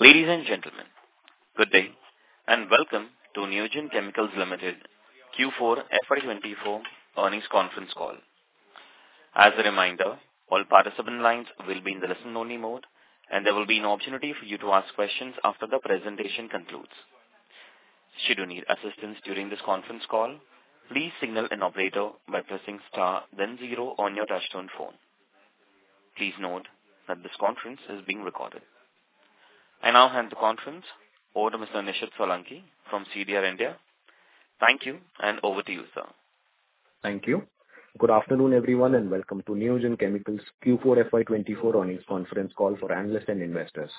Ladies and gentlemen, good day, and welcome to Neogen Chemicals Limited Q4 FY24 earnings conference call. As a reminder, all participant lines will be in the listen-only mode, and there will be an opportunity for you to ask questions after the presentation concludes. Should you need assistance during this conference call, please signal an operator by pressing star, then zero on your touchtone phone. Please note that this conference is being recorded. I now hand the conference over to Mr. Nishid Solanki from CDR India. Thank you, and over to you, sir. Thank you. Good afternoon, everyone, and welcome to Neogen Chemicals Q4 FY 2024 earnings conference call for analysts and investors.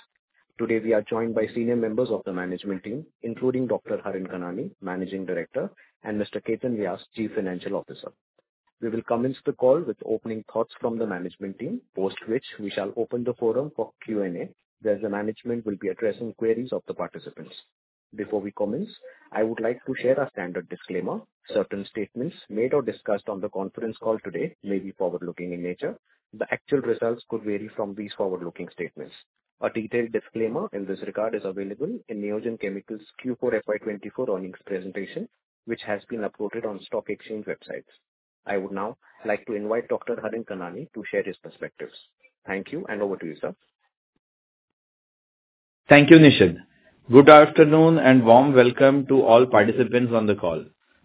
Today, we are joined by senior members of the management team, including Dr. Harin Kanani, Managing Director, and Mr. Ketan Vyas, Chief Financial Officer. We will commence the call with opening thoughts from the management team, post which we shall open the forum for Q&A, where the management will be addressing queries of the participants. Before we commence, I would like to share our standard disclaimer. Certain statements made or discussed on the conference call today may be forward-looking in nature. The actual results could vary from these forward-looking statements. A detailed disclaimer in this regard is available in Neogen Chemicals' Q4 FY 2024 earnings presentation, which has been uploaded on stock exchange websites. I would now like to invite Dr. Harin Kanani to share his perspectives. Thank you, and over to you, sir. Thank you, Nishid. Good afternoon, and warm welcome to all participants on the call.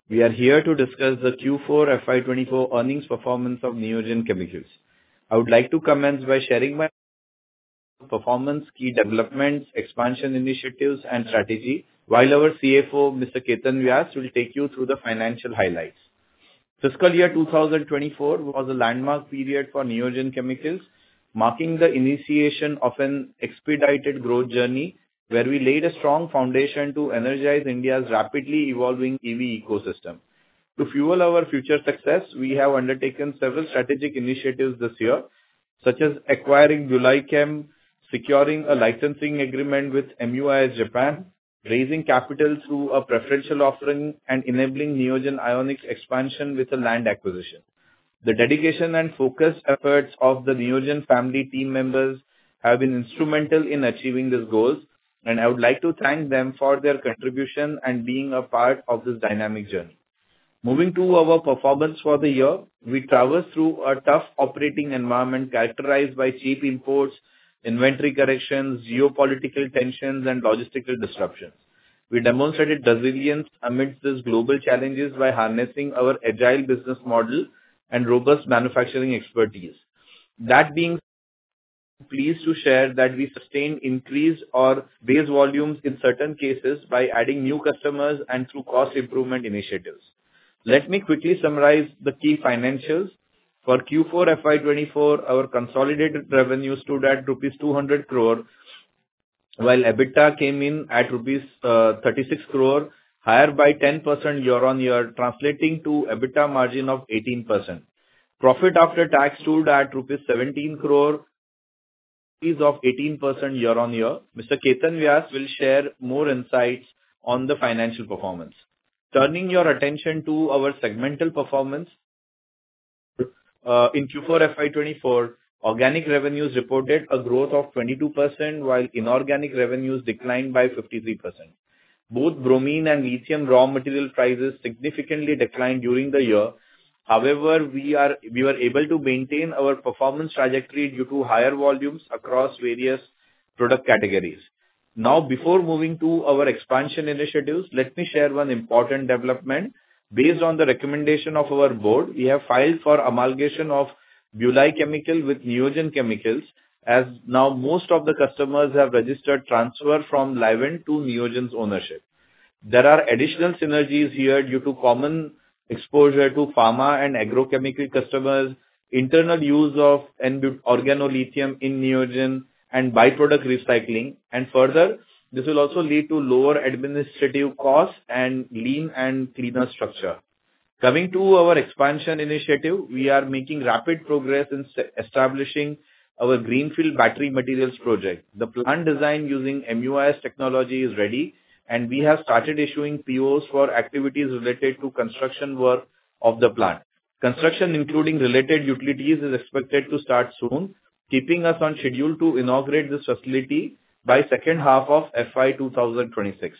We are here to discuss the Q4 FY24 earnings performance of Neogen Chemicals. I would like to commence by sharing my performance, key developments, expansion initiatives, and strategy, while our CFO, Mr. Ketan Vyas, will take you through the financial highlights. Fiscal year 2024 was a landmark period for Neogen Chemicals, marking the initiation of an expedited growth journey, where we laid a strong foundation to energize India's rapidly evolving EV ecosystem. To fuel our future success, we have undertaken several strategic initiatives this year, such as acquiring BuLi Chem, securing a licensing agreement with MUIS, Japan, raising capital through a preferential offering, and enabling Neogen Ionics expansion with a land acquisition. The dedication and focused efforts of the Neogen family team members have been instrumental in achieving these goals, and I would like to thank them for their contribution and being a part of this dynamic journey. Moving to our performance for the year, we traversed through a tough operating environment characterized by cheap imports, inventory corrections, geopolitical tensions, and logistical disruptions. We demonstrated resilience amidst these global challenges by harnessing our agile business model and robust manufacturing expertise. That being, pleased to share that we sustained, increased, or base volumes in certain cases by adding new customers and through cost improvement initiatives. Let me quickly summarize the key financials. For Q4 FY 2024, our consolidated revenues stood at rupees 200 crore, while EBITDA came in at rupees 36 crore, higher by 10% year-on-year, translating to EBITDA margin of 18%. Profit after tax stood at rupees 17 crore is of 18% year-on-year. Mr. Ketan Vyas will share more insights on the financial performance. Turning your attention to our segmental performance, in Q4 FY 2024, organic revenues reported a growth of 22%, while inorganic revenues declined by 53%. Both bromine and lithium raw material prices significantly declined during the year. However, we were able to maintain our performance trajectory due to higher volumes across various product categories. Now, before moving to our expansion initiatives, let me share one important development. Based on the recommendation of our board, we have filed for amalgamation of BuLi Chemicals with Neogen Chemicals, as now most of the customers have registered transfer from BuLi Chemicals to Neogen's ownership. There are additional synergies here due to common exposure to pharma and agrochemical customers, internal use of organolithium in Neogen, and by-product recycling. Further, this will also lead to lower administrative costs and lean and cleaner structure. Coming to our expansion initiative, we are making rapid progress in establishing our greenfield battery materials project. The plant design using MUIS technology is ready, and we have started issuing POs for activities related to construction work of the plant. Construction, including related utilities, is expected to start soon, keeping us on schedule to inaugurate this facility by second half of FY 2026.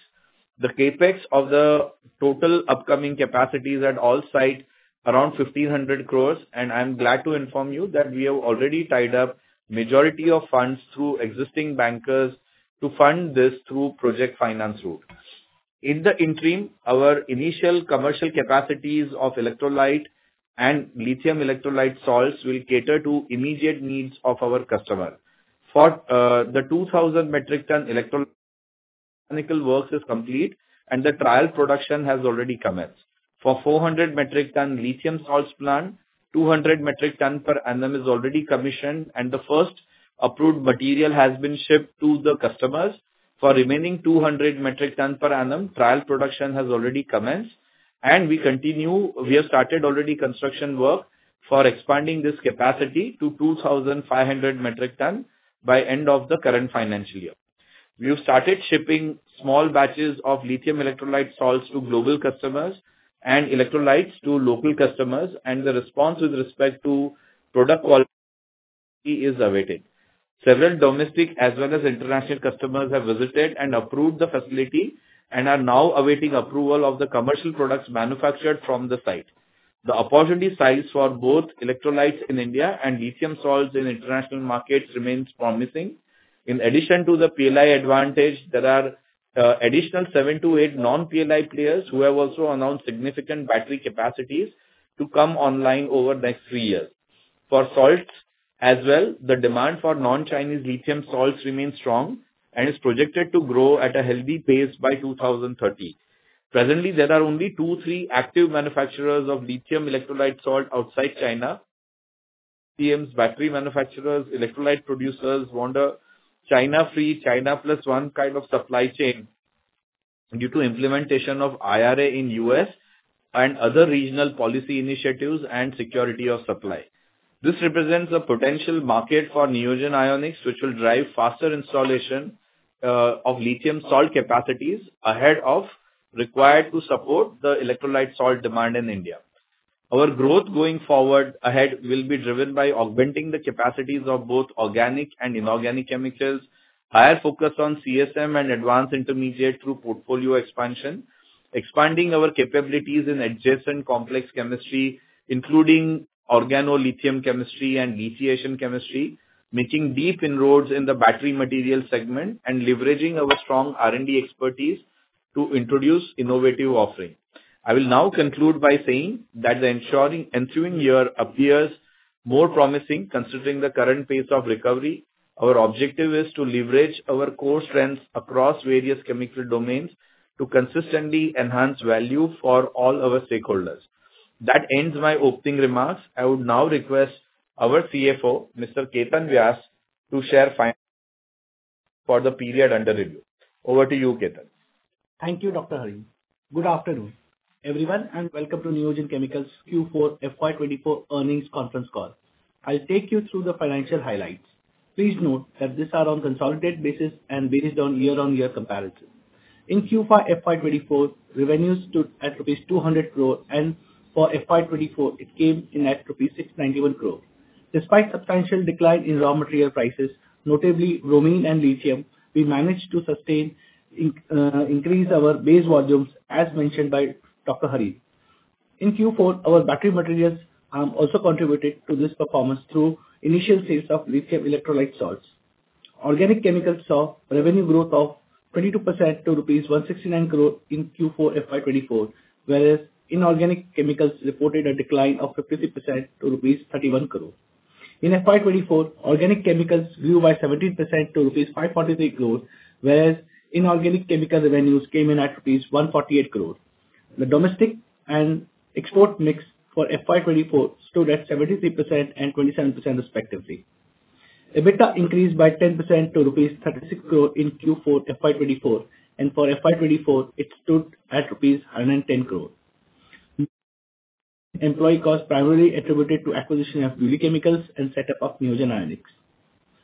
The CapEx of the total upcoming capacities at all sites around 1,500 crores, and I'm glad to inform you that we have already tied up majority of funds through existing bankers to fund this through project finance route. In the interim, our initial commercial capacities of electrolyte and lithium electrolyte salts will cater to immediate needs of our customer. For the 2,000 metric ton electrolyte, chemical works is complete, and the trial production has already commenced. For 400 metric ton lithium salts plant, 200 metric ton per annum is already commissioned, and the first approved material has been shipped to the customers. For remaining 200 metric ton per annum, trial production has already commenced, and we have started already construction work for expanding this capacity to 2,500 metric ton by end of the current financial year. We have started shipping small batches of lithium electrolyte salts to global customers and electrolytes to local customers, and the response with respect to product quality... is awaited. Several domestic as well as international customers have visited and approved the facility, and are now awaiting approval of the commercial products manufactured from the site. The opportunity size for both electrolytes in India and lithium salts in international markets remains promising. In addition to the PLI advantage, there are additional 7-8 non-PLI players who have also announced significant battery capacities to come online over the next 3 years. For salts as well, the demand for non-Chinese lithium salts remains strong and is projected to grow at a healthy pace by 2030. Presently, there are only 2-3 active manufacturers of lithium electrolyte salt outside China. OEMs, battery manufacturers, electrolyte producers want a China-free, China plus one kind of supply chain due to implementation of IRA in U.S. and other regional policy initiatives and security of supply. This represents a potential market for Neogen Ionics, which will drive faster installation of lithium salt capacities ahead of required to support the electrolyte salt demand in India. Our growth going forward ahead will be driven by augmenting the capacities of both organic and inorganic chemicals, higher focus on CSM and advanced intermediate through portfolio expansion, expanding our capabilities in adjacent complex chemistry, including organolithium chemistry and lithiation chemistry, making deep inroads in the battery material segment, and leveraging our strong R&D expertise to introduce innovative offerings. I will now conclude by saying that the ensuing year appears more promising, considering the current pace of recovery. Our objective is to leverage our core strengths across various chemical domains to consistently enhance value for all our stakeholders. That ends my opening remarks. I would now request our CFO, Mr. Ketan Vyas, to share financials for the period under review. Over to you, Ketan. Thank you, Dr. Harin. Good afternoon, everyone, and welcome to Neogen Chemicals Q4 FY 2024 earnings conference call. I'll take you through the financial highlights. Please note that these are on consolidated basis and based on year-on-year comparison. In Q4 FY 2024, revenues stood at rupees 200 crore, and for FY 2024, it came in at rupees 691 crore. Despite substantial decline in raw material prices, notably bromine and lithium, we managed to sustain increase our base volumes, as mentioned by Dr. Harin. In Q4, our battery materials also contributed to this performance through initial sales of lithium electrolyte salts. Organic chemicals saw revenue growth of 22% to rupees 169 crore in Q4 FY 2024, whereas inorganic chemicals reported a decline of 50% to rupees 31 crore. In FY 2024, organic chemicals grew by 17% to rupees 543 crore, whereas inorganic chemical revenues came in at rupees 148 crore. The domestic and export mix for FY 2024 stood at 73% and 27% respectively. EBITDA increased by 10% to 36 crore rupees in Q4 FY 2024, and for FY 2024, it stood at 110 crore. Employee costs primarily attributed to acquisition of BuLi Chemicals and setup of Neogen Ionics.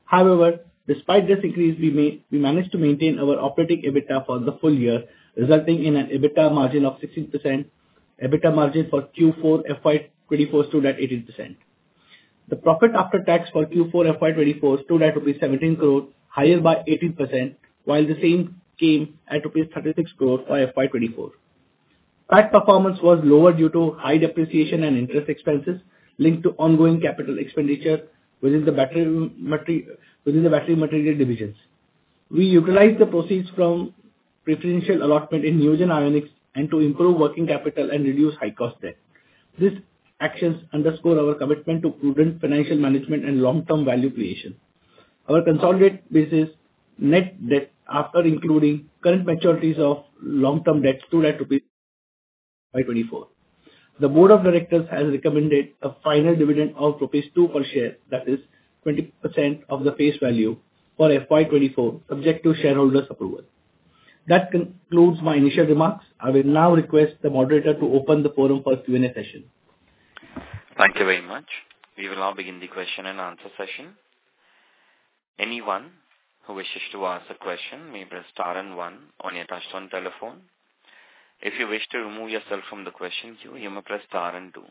However, despite this increase we made, we managed to maintain our operating EBITDA for the full year, resulting in an EBITDA margin of 16%. EBITDA margin for Q4 FY 2024 stood at 18%. The profit after tax for Q4 FY 2024 stood at rupees 17 crore, higher by 18%, while the same came at rupees 36 crore for FY 2024. That performance was lower due to high depreciation and interest expenses linked to ongoing capital expenditure within the battery material divisions. We utilized the proceeds from preferential allotment in Neogen Ionics and to improve working capital and reduce high cost debt. These actions underscore our commitment to prudent financial management and long-term value creation. Our consolidated business net debt, after including current maturities of long-term debt, stood at 2024. The board of directors has recommended a final dividend of rupees 2 per share, that is 20% of the face value, for FY 2024, subject to shareholder approval. That concludes my initial remarks. I will now request the moderator to open the forum for Q&A session. Thank you very much. We will now begin the question and answer session. Anyone who wishes to ask a question may press star and one on your touchtone telephone. If you wish to remove yourself from the question queue, you may press star and two.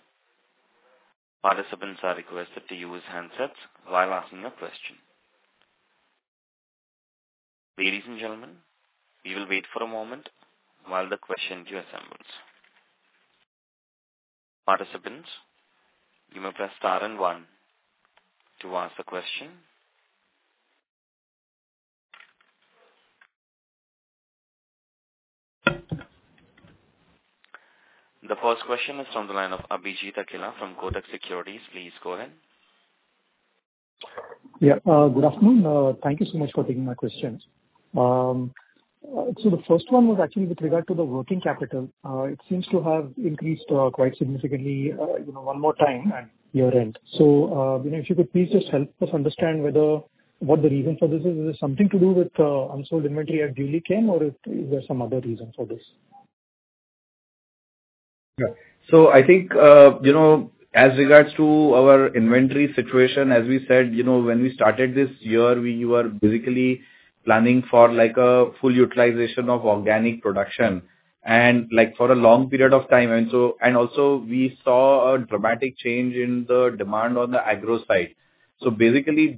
Participants are requested to use handsets while asking a question. Ladies and gentlemen, we will wait for a moment while the question queue assembles. Participants, you may press star and one to ask a question. The first question is from the line of Abhijit Akella from Kotak Securities. Please go ahead. Yeah, good afternoon. Thank you so much for taking my questions. So, the first one was actually with regard to the working capital. It seems to have increased quite significantly, you know, one more time at year-end. So, you know, if you could please just help us understand whether what the reason for this is. Is it something to do with unsold inventory at BuLi Chem, or is there some other reason for this? Yeah. So I think, you know, as regards to our inventory situation, as we said, you know, when we started this year, we were basically planning for, like, a full utilization of organic production and, like, for a long period of time. And so, and also we saw a dramatic change in the demand on the agro side. So basically,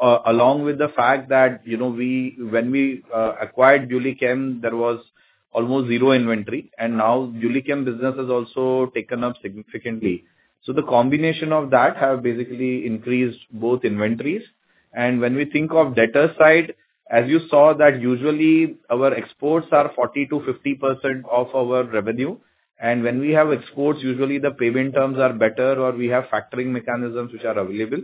along with the fact that, you know, we, when we acquired BuLi Chem, there was almost zero inventory, and now BuLi Chem business has also taken up significantly. So the combination of that have basically increased both inventories. And when we think of debtor side, as you saw, that usually our exports are 40%-50% of our revenue, and when we have exports, usually the payment terms are better or we have factoring mechanisms which are available.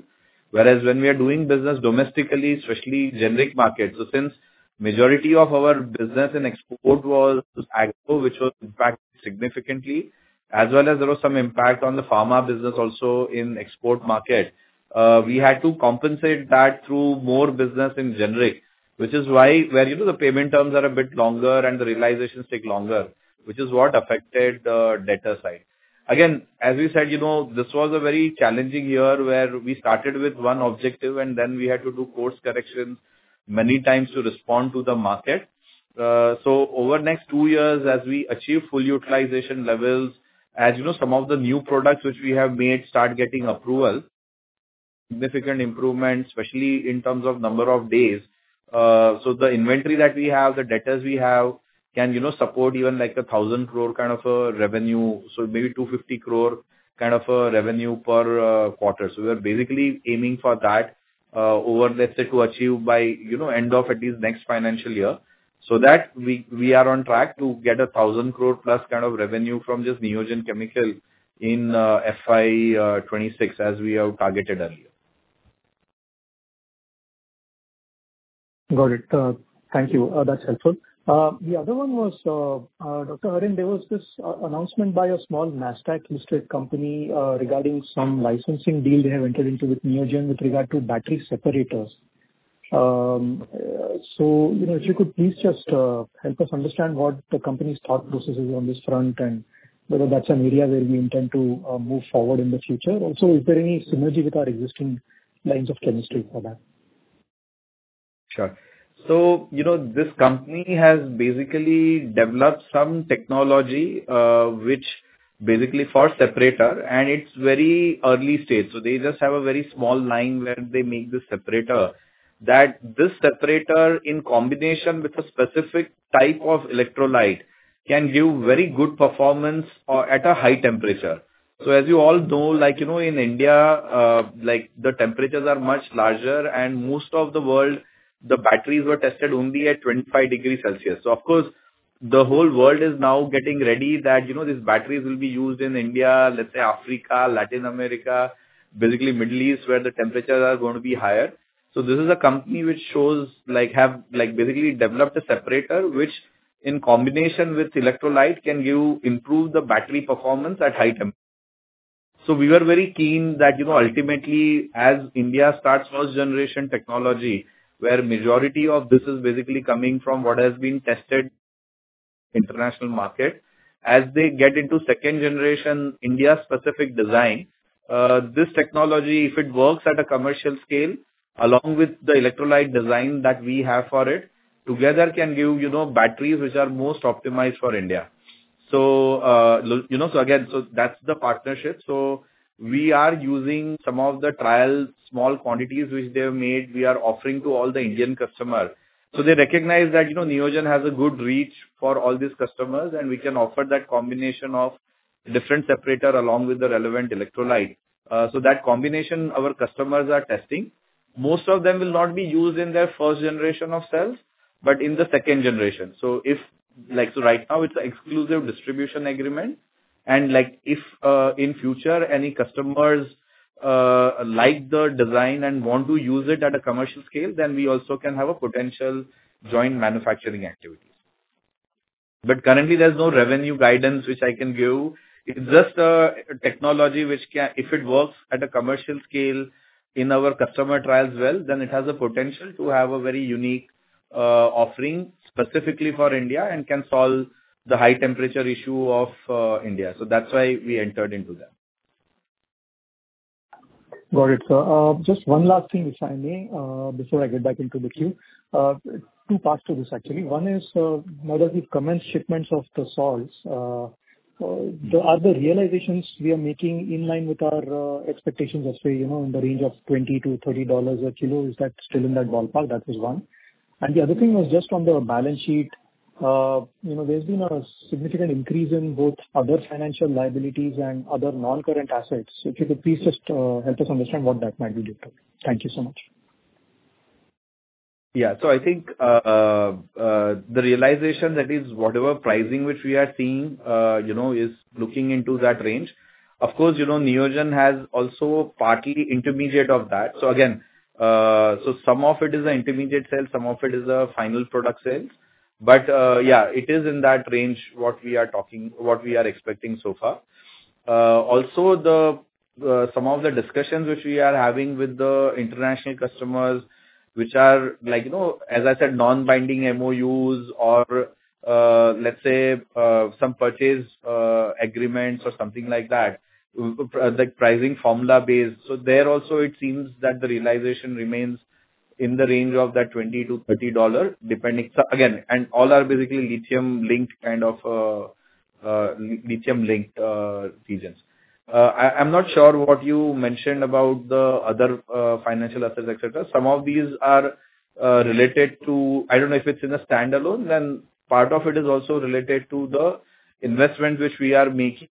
Whereas when we are doing business domestically, especially generic markets, so since majority of our business in export was agro, which was impacted significantly, as well as there was some impact on the pharma business also in export market, we had to compensate that through more business in generic, which is why, where, you know, the payment terms are a bit longer and the realizations take longer, which is what affected the debtor side. Again, as you said, you know, this was a very challenging year where we started with one objective and then we had to do course correction many times to respond to the market. So over the next two years, as we achieve full utilization levels, as you know, some of the new products which we have made start getting approval, significant improvement, especially in terms of number of days. So the inventory that we have, the debtors we have, can, you know, support even like 1,000 crore kind of a revenue, so maybe 250 crore kind of a revenue per quarter. So we are basically aiming for that, over, let's say, to achieve by, you know, end of at least next financial year. So that we, we are on track to get 1,000 crore+ kind of revenue from just Neogen Chemicals in FY 2026, as we have targeted earlier. Got it. Thank you. That's helpful. The other one was, Dr. Harin, there was this announcement by a small NASDAQ-listed company regarding some licensing deal they have entered into with Neogen with regard to battery separators. So, you know, if you could please just help us understand what the company's thought process is on this front and whether that's an area where we intend to move forward in the future. Also, is there any synergy with our existing lines of chemistry for that? Sure. So, you know, this company has basically developed some technology, which basically for separator, and it's very early stage. So they just have a very small line where they make the separator. That this separator, in combination with a specific type of electrolyte, can give very good performance, at a high temperature. So as you all know, like, you know, in India, like, the temperatures are much larger, and most of the world, the batteries were tested only at 25 degrees Celsius. So of course, the whole world is now getting ready that, you know, these batteries will be used in India, let's say Africa, Latin America, basically Middle East, where the temperatures are going to be higher. So this is a company which shows like, have, like, basically developed a separator, which in combination with electrolyte, can give, improve the battery performance at high temp. So we were very keen that, you know, ultimately, as India starts first-generation technology, where majority of this is basically coming from what has been tested international market. As they get into second-generation India-specific design, this technology, if it works at a commercial scale, along with the electrolyte design that we have for it, together can give, you know, batteries which are most optimized for India. So, you know, so again, so that's the partnership. So we are using some of the trial, small quantities which they have made, we are offering to all the Indian customers. So they recognize that, you know, Neogen has a good reach for all these customers, and we can offer that combination of different separator along with the relevant electrolyte. So that combination, our customers are testing. Most of them will not be used in their first generation of cells, but in the second generation. So if... Like, so right now it's an exclusive distribution agreement, and, like, if, in future, any customers, like the design and want to use it at a commercial scale, then we also can have a potential joint manufacturing activities. But currently there's no revenue guidance which I can give. It's just a technology which can, if it works at a commercial scale in our customer trials well, then it has a potential to have a very unique, offering specifically for India and can solve the high temperature issue of, India. So that's why we entered into that. Got it, sir. Just one last thing, if I may, before I get back into the queue. Two parts to this, actually. One is, now that we've commenced shipments of the salts, the other realizations we are making in line with our, expectations as well, you know, in the range of $20-$30 a kilo, is that still in that ballpark? That is one. The other thing was just on the balance sheet. You know, there's been a significant increase in both other financial liabilities and other non-current assets. If you could please just, help us understand what that might be due to. Thank you so much. Yeah. So I think, the realization that is whatever pricing which we are seeing, you know, is looking into that range. Of course, you know, Neogen has also partly intermediate of that. So again, so some of it is an intermediate sale, some of it is a final product sale. But, yeah, it is in that range, what we are talking, what we are expecting so far. Also the, some of the discussions which we are having with the international customers, which are like, you know, as I said, non-binding MOUs or, let's say, some purchase, agreements or something like that, the pricing formula base. So there also it seems that the realization remains in the range of that $20-$30, depending... So again, and all are basically lithium-linked, kind of lithium-linked, regions.... I'm not sure what you mentioned about the other financial assets, et cetera. Some of these are related to—I don't know if it's in a standalone, then part of it is also related to the investment which we are making,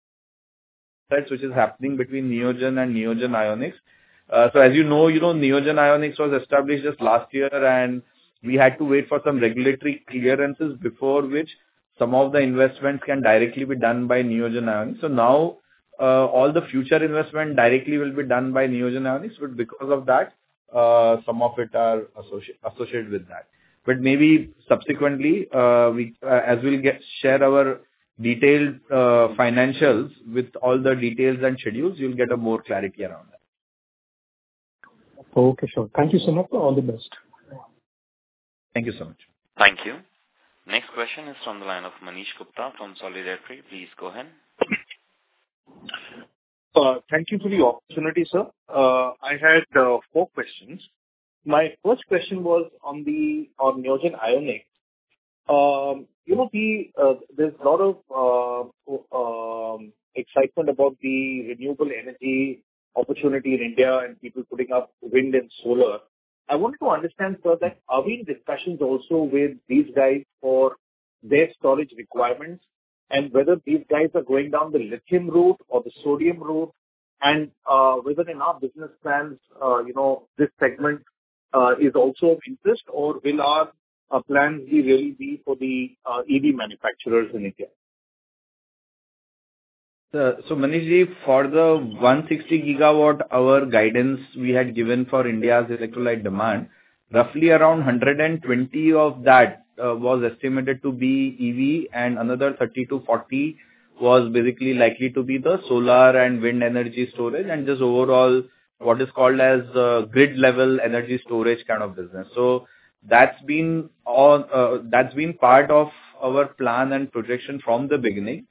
which is happening between Neogen and Neogen Ionics. So as you know, you know, Neogen Ionics was established just last year, and we had to wait for some regulatory clearances before which some of the investments can directly be done by Neogen Ionics. So now, all the future investment directly will be done by Neogen Ionics, but because of that, some of it are associated with that. But maybe subsequently, as we'll get—share our detailed financials with all the details and schedules, you'll get a more clarity around that. Okay, sure. Thank you so much, and all the best. Thank you so much. Thank you. Next question is from the line of Manish Gupta from Solidarity. Please go ahead. Thank you for the opportunity, sir. I had four questions. My first question was on the, on Neogen Ionics. You know, the, there's a lot of excitement about the renewable energy opportunity in India and people putting up wind and solar. I wanted to understand, sir, that are we in discussions also with these guys for their storage requirements, and whether these guys are going down the lithium route or the sodium route, and, whether in our business plans, you know, this segment, is also of interest, or will our plans be really for the, EV manufacturers in India? So Manishji, for the 160 GW, our guidance we had given for India's electrolyte demand, roughly around 120 of that, was estimated to be EV, and another 30-40 was basically likely to be the solar and wind energy storage, and just overall, what is called as, grid-level energy storage kind of business. So that's been all, that's been part of our plan and projection from the beginning.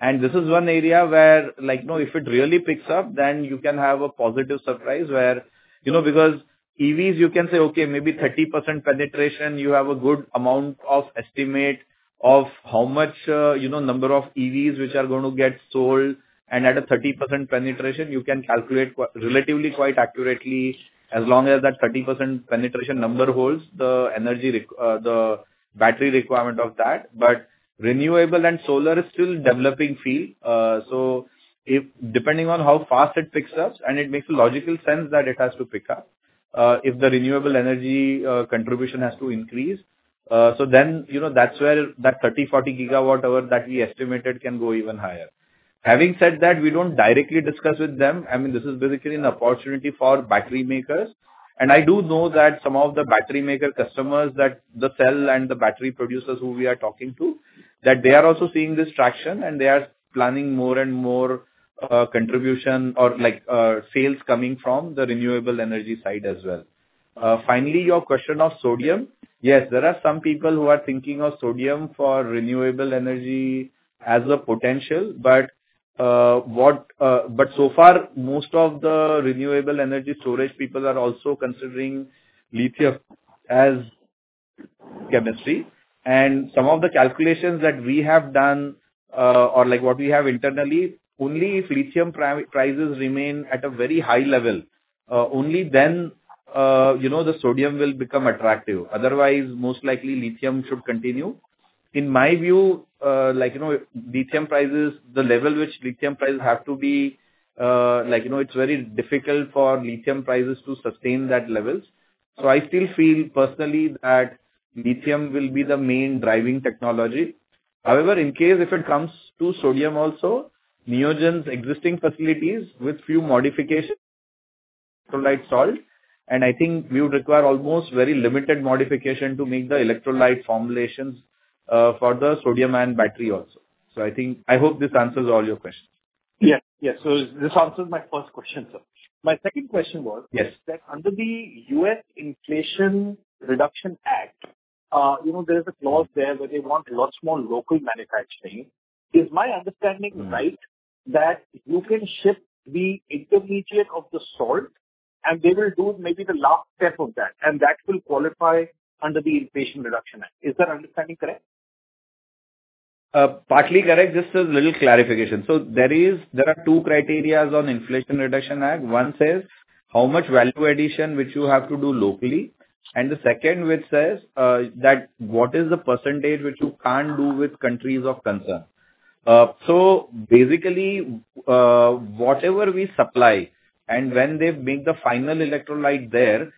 And this is one area where, like, you know, if it really picks up, then you can have a positive surprise where... You know, because EVs, you can say, okay, maybe 30% penetration, you have a good amount of estimate of how much, you know, number of EVs which are going to get sold. At a 30% penetration, you can calculate relatively quite accurately, as long as that 30% penetration number holds, the battery requirement of that. But renewable and solar is still developing field. So if, depending on how fast it picks up, and it makes logical sense that it has to pick up, if the renewable energy contribution has to increase, so then, you know, that's where that 30-40 GWh that we estimated can go even higher. Having said that, we don't directly discuss with them. I mean, this is basically an opportunity for battery makers. I do know that some of the battery maker customers, that the cell and the battery producers who we are talking to, that they are also seeing this traction, and they are planning more and more, contribution or like, sales coming from the renewable energy side as well. Finally, your question of sodium. Yes, there are some people who are thinking of sodium for renewable energy as a potential, but so far, most of the renewable energy storage people are also considering lithium as chemistry. And some of the calculations that we have done, or like what we have internally, only if lithium prices remain at a very high level, only then, you know, the sodium will become attractive. Otherwise, most likely, lithium should continue. In my view, like, you know, lithium prices, the level which lithium prices have to be, like, you know, it's very difficult for lithium prices to sustain that level. So I still feel personally that lithium will be the main driving technology. However, in case if it comes to sodium also, Neogen's existing facilities with few modifications, electrolyte salt, and I think we would require almost very limited modification to make the electrolyte formulations, for the sodium ion battery also. So I think, I hope this answers all your questions. Yes. Yes. So this answers my first question, sir. My second question was- Yes. that under the U.S. Inflation Reduction Act, you know, there is a clause there where they want lots more local manufacturing. Is my understanding right? Mm-hmm. That you can ship the intermediate of the salt, and they will do maybe the last step of that, and that will qualify under the Inflation Reduction Act? Is that understanding correct? Partly correct. Just a little clarification. So there is, there are two criteria on Inflation Reduction Act. One says, how much value addition which you have to do locally, and the second which says, that what is the percentage which you can't do with countries of concern. So basically, whatever we supply, and when they make the final electrolyte there,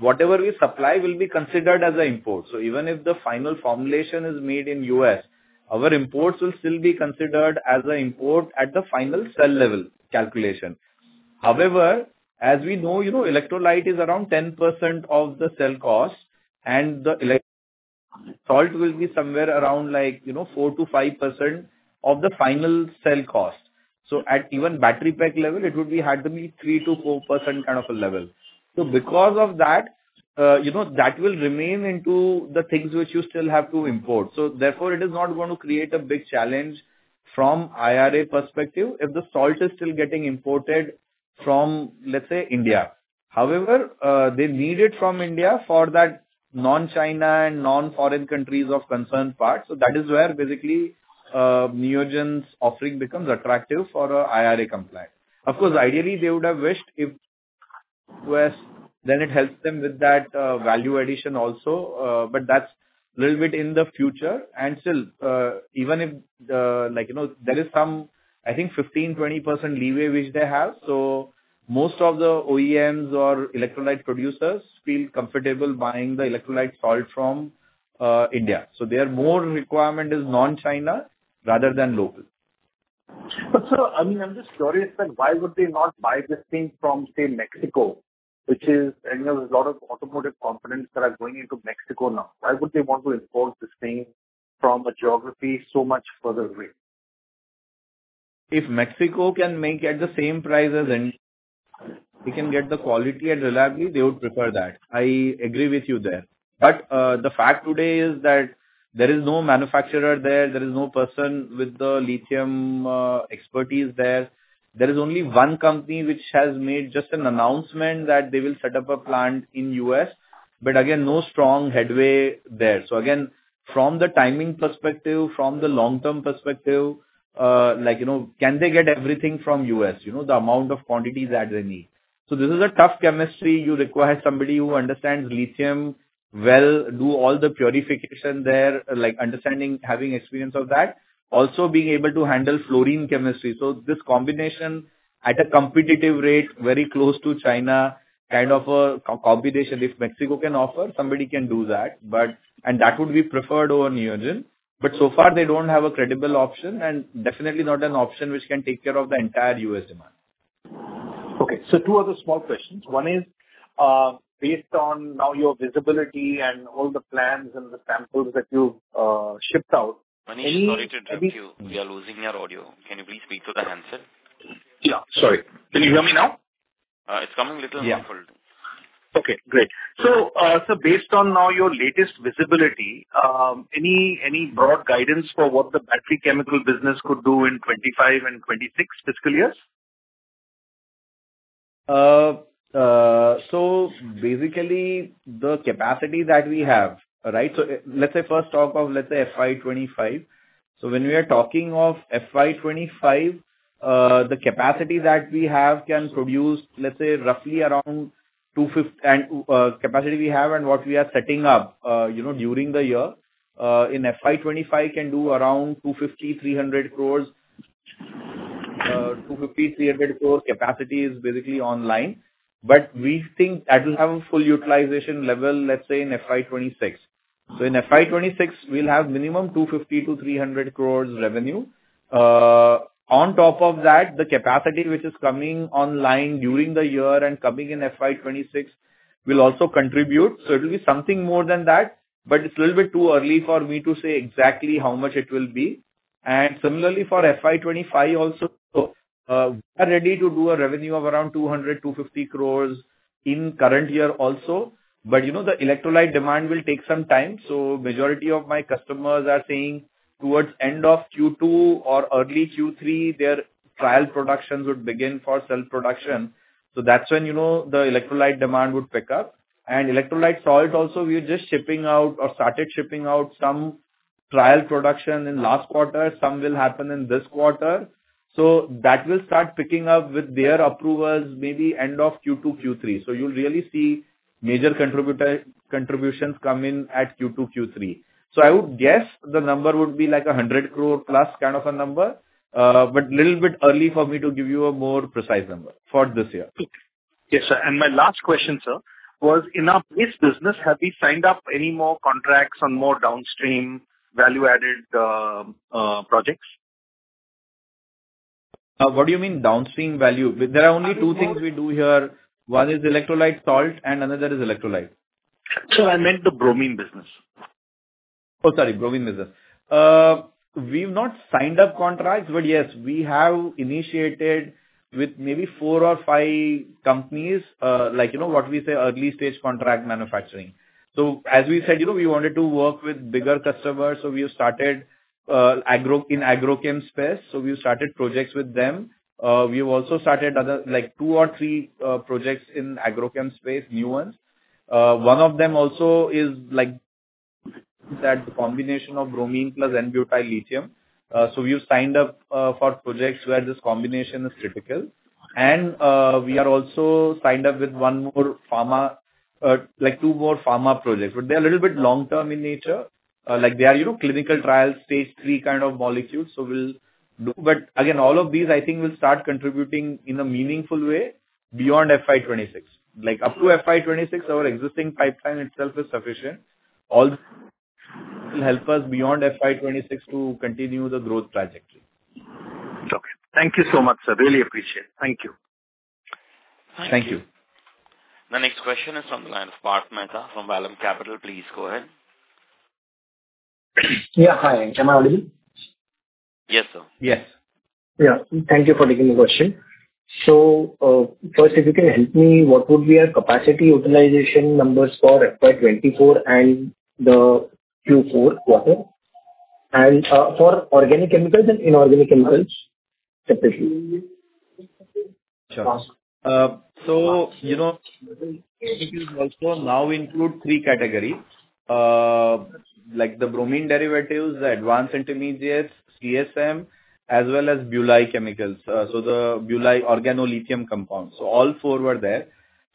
whatever we supply will be considered as an import. So even if the final formulation is made in U.S., our imports will still be considered as an import at the final cell level calculation. However, as we know, you know, electrolyte is around 10% of the cell cost, and the electrolyte salt will be somewhere around like, you know, 4%-5% of the final cell cost. So at even battery pack level, it would be hardly 3%-4% kind of a level. So because of that, you know, that will remain into the things which you still have to import. So therefore, it is not going to create a big challenge from IRA perspective. If the salt is still getting imported from, let's say, India. However, they need it from India for that non-China and non-foreign countries of concern parts. So that is where basically, Neogen's offering becomes attractive for a IRA compliant. Of course, ideally, they would have wished if US, then it helps them with that, value addition also. But that's a little bit in the future. And still, even if, like, you know, there is some, I think, 15%-20% leeway, which they have. Most of the OEMs or electrolyte producers feel comfortable buying the electrolyte salt from India. Their more requirement is non-China rather than local. But sir, I'm just curious that why would they not buy this thing from, say, Mexico, which is, you know, there's a lot of automotive components that are going into Mexico now? Why would they want to import this thing from a geography so much further away? If Mexico can make at the same price as in, they can get the quality and reliability, they would prefer that. I agree with you there. But, the fact today is that there is no manufacturer there, there is no person with the lithium expertise there. There is only one company which has made just an announcement that they will set up a plant in U.S., but again, no strong headway there. So again, from the timing perspective, from the long-term perspective, like, you know, can they get everything from U.S.? You know, the amount of quantities that they need. So this is a tough chemistry. You require somebody who understands lithium well, do all the purification there, like, understanding, having experience of that, also being able to handle fluorine chemistry. So this combination at a competitive rate, very close to China, kind of a co-combination. If Mexico can offer, somebody can do that, but... That would be preferred over Neogen. But so far, they don't have a credible option, and definitely not an option which can take care of the entire U.S. demand. Okay, so two other small questions. One is, based on now your visibility and all the plans and the samples that you've shipped out- Manish, sorry to interrupt you. We are losing your audio. Can you please speak through the handset? Yeah, sorry. Can you hear me now? It's coming a little muffled. Yeah. Okay, great. So, based on now, your latest visibility, any broad guidance for what the battery chemical business could do in 2025 and 2026 fiscal years? So basically, the capacity that we have, right? So let's say first talk of, let's say, FY 2025. So when we are talking of FY 2025, the capacity that we have can produce, let's say, roughly around, capacity we have and what we are setting up, you know, during the year, in FY 2025 can do around 250-300 crores. 250-300 crores capacity is basically online. But we think that will have a full utilization level, let's say, in FY 2026. So in FY 2026, we'll have minimum 250-300 crores revenue. On top of that, the capacity which is coming online during the year and coming in FY 2026 will also contribute, so it'll be something more than that, but it's a little bit too early for me to say exactly how much it will be. And similarly, for FY 2025 also, we are ready to do a revenue of around 200-250 crores in current year also. But you know, the electrolyte demand will take some time, so majority of my customers are saying towards end of Q2 or early Q3, their trial productions would begin for cell production. So that's when you know, the electrolyte demand would pick up. And electrolyte salt also, we're just shipping out or started shipping out some trial production in last quarter. Some will happen in this quarter. So that will start picking up with their approvals, maybe end of Q2, Q3. So you'll really see major contributor, contributions come in at Q2, Q3. So I would guess the number would be like 100 crore+ kind of a number, but little bit early for me to give you a more precise number for this year. Yes, sir. My last question, sir, was in our base business, have we signed up any more contracts on more downstream value-added projects? What do you mean downstream value? There are only two things we do here. One is electrolyte salt and another is electrolyte. Sir, I meant the bromine business. Oh, sorry, bromine business. We've not signed up contracts, but yes, we have initiated with maybe four or five companies, like, you know, what we say, early-stage contract manufacturing. So as we said, you know, we wanted to work with bigger customers, so we have started agro- in agrochem space, so we've started projects with them. We've also started other, like, two or three projects in agrochem space, new ones. One of them also is like that, the combination of bromine plus N-Butyl Lithium. So we've signed up for projects where this combination is critical. And we are also signed up with one more pharma, like two more pharma projects, but they're a little bit long-term in nature. Like they are, you know, clinical trials, phase III kind of molecules, so we'll do... But again, all of these, I think, will start contributing in a meaningful way beyond FY 2026. Like, up to FY 2026, our existing pipeline itself is sufficient. All will help us beyond FY 2026 to continue the growth trajectory. Okay. Thank you so much, sir. Really appreciate it. Thank you. Thank you. The next question is from Parth Mehta from Vallum Capital. Please go ahead. Yeah, hi. Can I audible? Yes, sir. Yes. Yeah. Thank you for taking the question. So, first, if you can help me, what would be our capacity utilization numbers for FY 24 and the Q4 quarter? And, for organic chemicals and inorganic chemicals, specifically? So, you know, it is also now include three categories. Like the bromine derivatives, the advanced intermediates, CSM, as well as BuLi chemicals, so the BuLi organolithium compounds. So all four were there.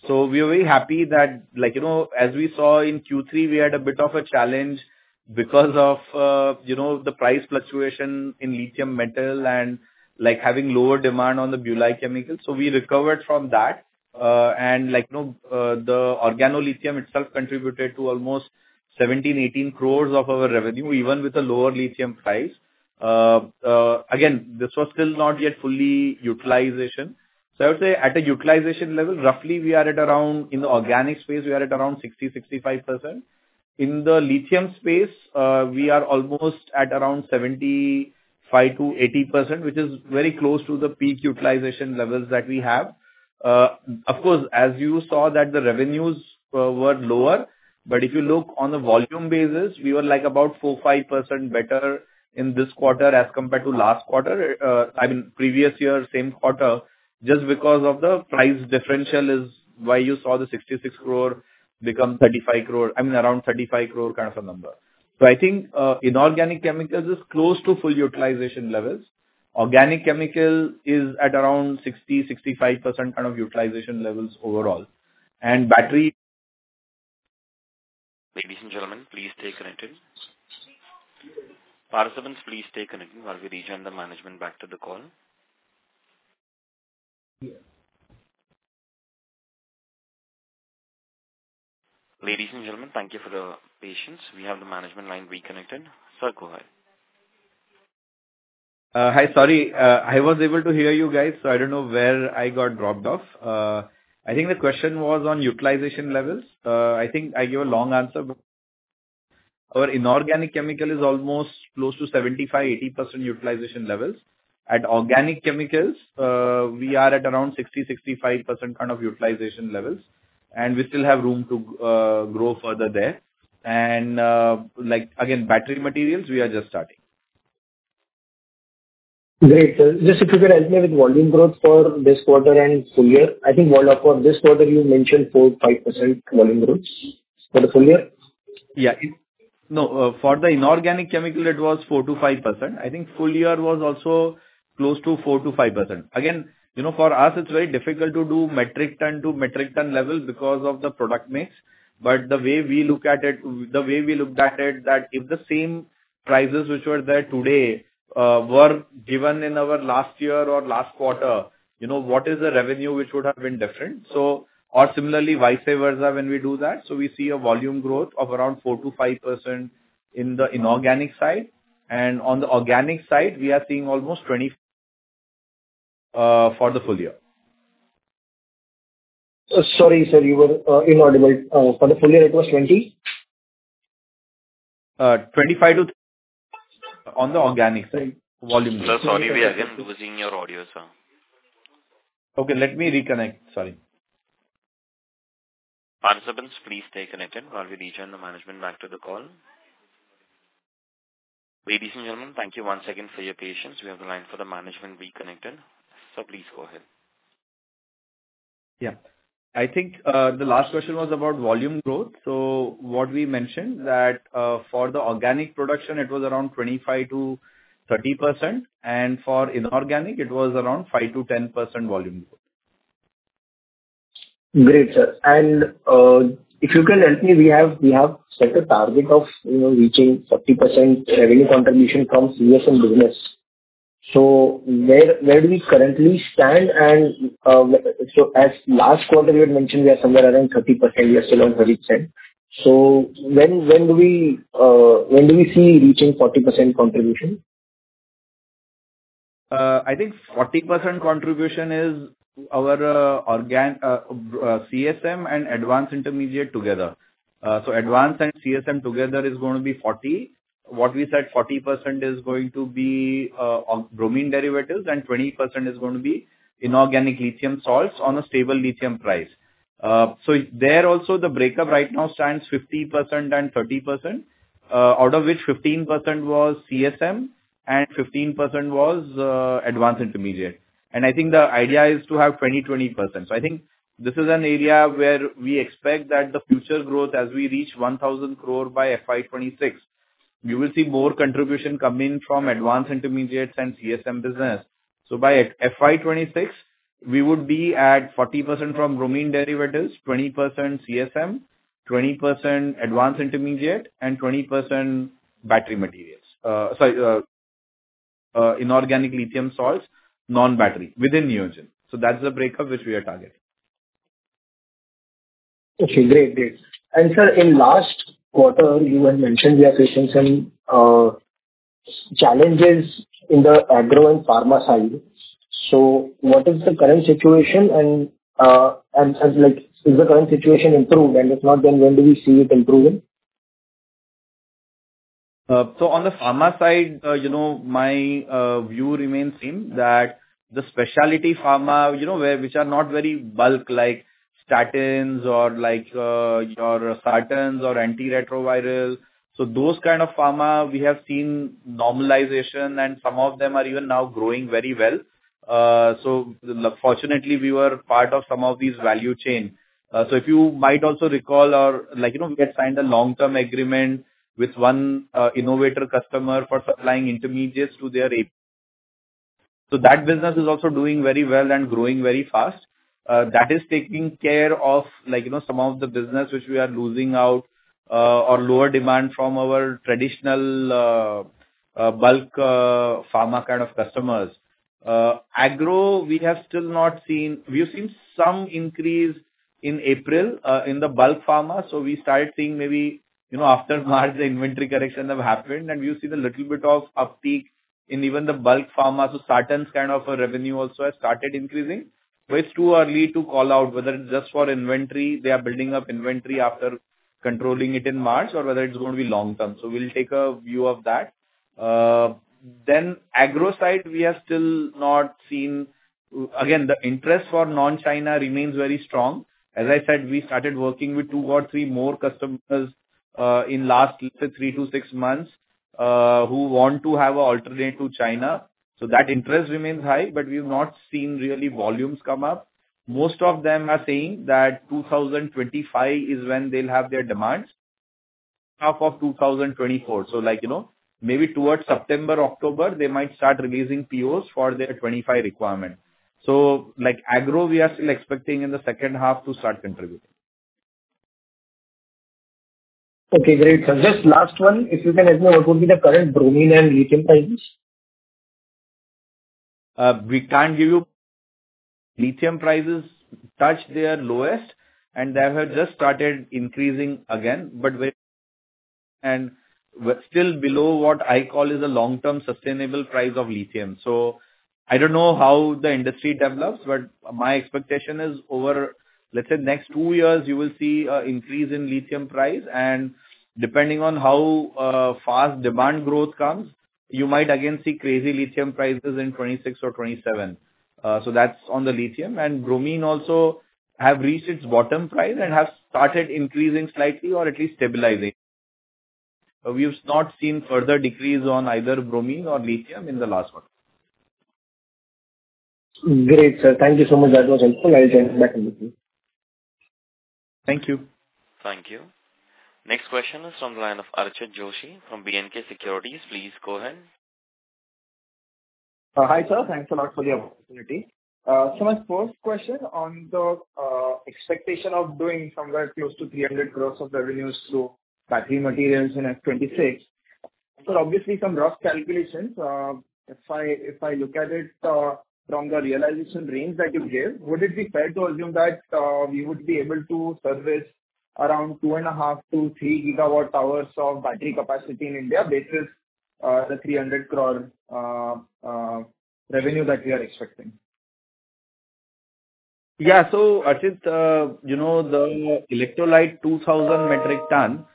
So we are very happy that, like, you know, as we saw in Q3, we had a bit of a challenge because of, you know, the price fluctuation in lithium metal and, like, having lower demand on the BuLi chemicals. So we recovered from that. And, like, you know, the organolithium itself contributed to almost 17-18 crores of our revenue, even with the lower lithium price. Again, this was still not yet fully utilization. So I would say at a utilization level, roughly we are at around, in the organic space, we are at around 60%-65%. In the lithium space, we are almost at around 75%-80%, which is very close to the peak utilization levels that we have. Of course, as you saw, that the revenues were lower, but if you look on a volume basis, we were like about 4-5% better in this quarter as compared to last quarter, I mean, previous year, same quarter, just because of the price differential is why you saw the 66 crore become 35 crore, I mean, around 35 crore kind of a number. So I think, inorganic chemicals is close to full utilization levels. Organic chemical is at around 60-65% kind of utilization levels overall. And battery- Ladies and gentlemen, please stay connected. Participants, please stay connected while we rejoin the management back to the call. Ladies and gentlemen, thank you for the patience. We have the management line reconnected. Sir, go ahead. Hi, sorry, I was able to hear you guys, so I don't know where I got dropped off. I think the question was on utilization levels. I think I gave a long answer. Our inorganic chemical is almost close to 75%-80% utilization levels. At organic chemicals, we are at around 60%-65% kind of utilization levels, and we still have room to grow further there. And, like, again, battery materials, we are just starting. Great. Sir, just if you could help me with volume growth for this quarter and full year. I think for this quarter, you mentioned 4%-5% volume growth. For the full year? Yeah. No, for the inorganic chemical, it was 4%-5%. I think full year was also close to 4%-5%. Again, you know, for us it's very difficult to do metric ton to metric ton levels because of the product mix. But the way we look at it, the way we looked at it, that if the same prices which were there today were given in our last year or last quarter, you know, what is the revenue which would have been different? So, or similarly, vice versa, when we do that. So we see a volume growth of around 4%-5% in the inorganic side, and on the organic side, we are seeing almost 20% for the full year. Sorry, sir, you were inaudible. For the full year, it was 20? 25% on the organic side, volume. Sir, sorry, we are again losing your audio, sir. Okay, let me reconnect. Sorry. Participants, please stay connected while we rejoin the management back to the call. Ladies and gentlemen, thank you one second for your patience. We have the line for the management reconnected, so please go ahead. Yeah. I think, the last question was about volume growth. So what we mentioned that, for the organic production, it was around 25%-30%, and for inorganic, it was around 5%-10% volume. Great, sir. If you can help me, we have, we have set a target of, you know, reaching 40% revenue contribution from CSM business. So where, where do we currently stand? So as last quarter you had mentioned, we are somewhere around 30%, we are still on 30%. So when, when do we see reaching 40% contribution? I think 40% contribution is our CSM and advanced intermediate together. So advanced and CSM together is going to be 40. What we said, 40% is going to be on bromine derivatives, and 20% is going to be inorganic lithium salts on a stable lithium price. So there also, the breakup right now stands 15% and 30%, out of which 15% was CSM and 15% was advanced intermediate. And I think the idea is to have 20, 20%. So I think this is an area where we expect that the future growth as we reach 1,000 crore by FY 2026, you will see more contribution coming from advanced intermediates and CSM business. So by FY 2026, we would be at 40% from bromine derivatives, 20% CSM, 20% advanced intermediate, and 20% battery materials. Inorganic lithium salts, non-battery, within Neogen. So that's the breakup which we are targeting. Okay, great, great. And sir, in last quarter, you had mentioned we are facing some challenges in the agro and pharma side. So what is the current situation, and like, is the current situation improved? And if not, then when do we see it improving? So on the pharma side, you know, my view remains same, that the specialty pharma, you know, where which are not very bulk like statins or like, your sartans or antiretrovirals. So those kind of pharma, we have seen normalization, and some of them are even now growing very well. So fortunately, we were part of some of these value chain. So if you might also recall or like, you know, we have signed a long-term agreement with one innovator customer for supplying intermediates to their AP. So that business is also doing very well and growing very fast. That is taking care of, like, you know, some of the business which we are losing out or lower demand from our traditional bulk pharma kind of customers. Agro, we have still not seen. We have seen some increase in April in the bulk pharma, so we started seeing maybe, you know, after March, the inventory correction have happened, and we see the little bit of uptick in even the bulk pharma. So certain kind of a revenue also has started increasing. But it's too early to call out whether it's just for inventory, they are building up inventory after controlling it in March or whether it's going to be long term. So we'll take a view of that. Then agro side, we have still not seen. Again, the interest for non-China remains very strong. As I said, we started working with two or three more customers in last, let's say, three to six months, who want to have an alternate to China. So that interest remains high, but we've not seen really volumes come up. Most of them are saying that 2025 is when they'll have their demands, half of 2024. So like, you know, maybe towards September, October, they might start releasing POs for their '25 requirement. So, like, agro, we are still expecting in the second half to start contributing. Okay, great. So just last one, if you can let me know, what would be the current bromine and lithium prices? We can't give you lithium prices touched their lowest, and they have just started increasing again, but very, and we're still below what I call is a long-term sustainable price of lithium. So I don't know how the industry develops, but my expectation is over, let's say, next two years, you will see a increase in lithium price, and depending on how fast demand growth comes, you might again see crazy lithium prices in 2026 or 2027. So that's on the lithium. And bromine also have reached its bottom price and have started increasing slightly or at least stabilizing. We've not seen further decrease on either bromine or lithium in the last quarter. Great, sir. Thank you so much. That was helpful. I'll get back with you. Thank you. Thank you. Next question is from the line of Archit Joshi from B&K Securities. Please go ahead. Hi, sir. Thanks a lot for the opportunity. So my first question on the expectation of doing somewhere close to 300 crore of revenues through battery materials in FY 2026. So obviously, some rough calculations, if I look at it from the realization range that you gave, would it be fair to assume that we would be able to service around 2.5-3 GWh of battery capacity in India versus the 300 crore revenue that we are expecting? Yeah. So, Archit, you know, the electrolyte 2000 metric ton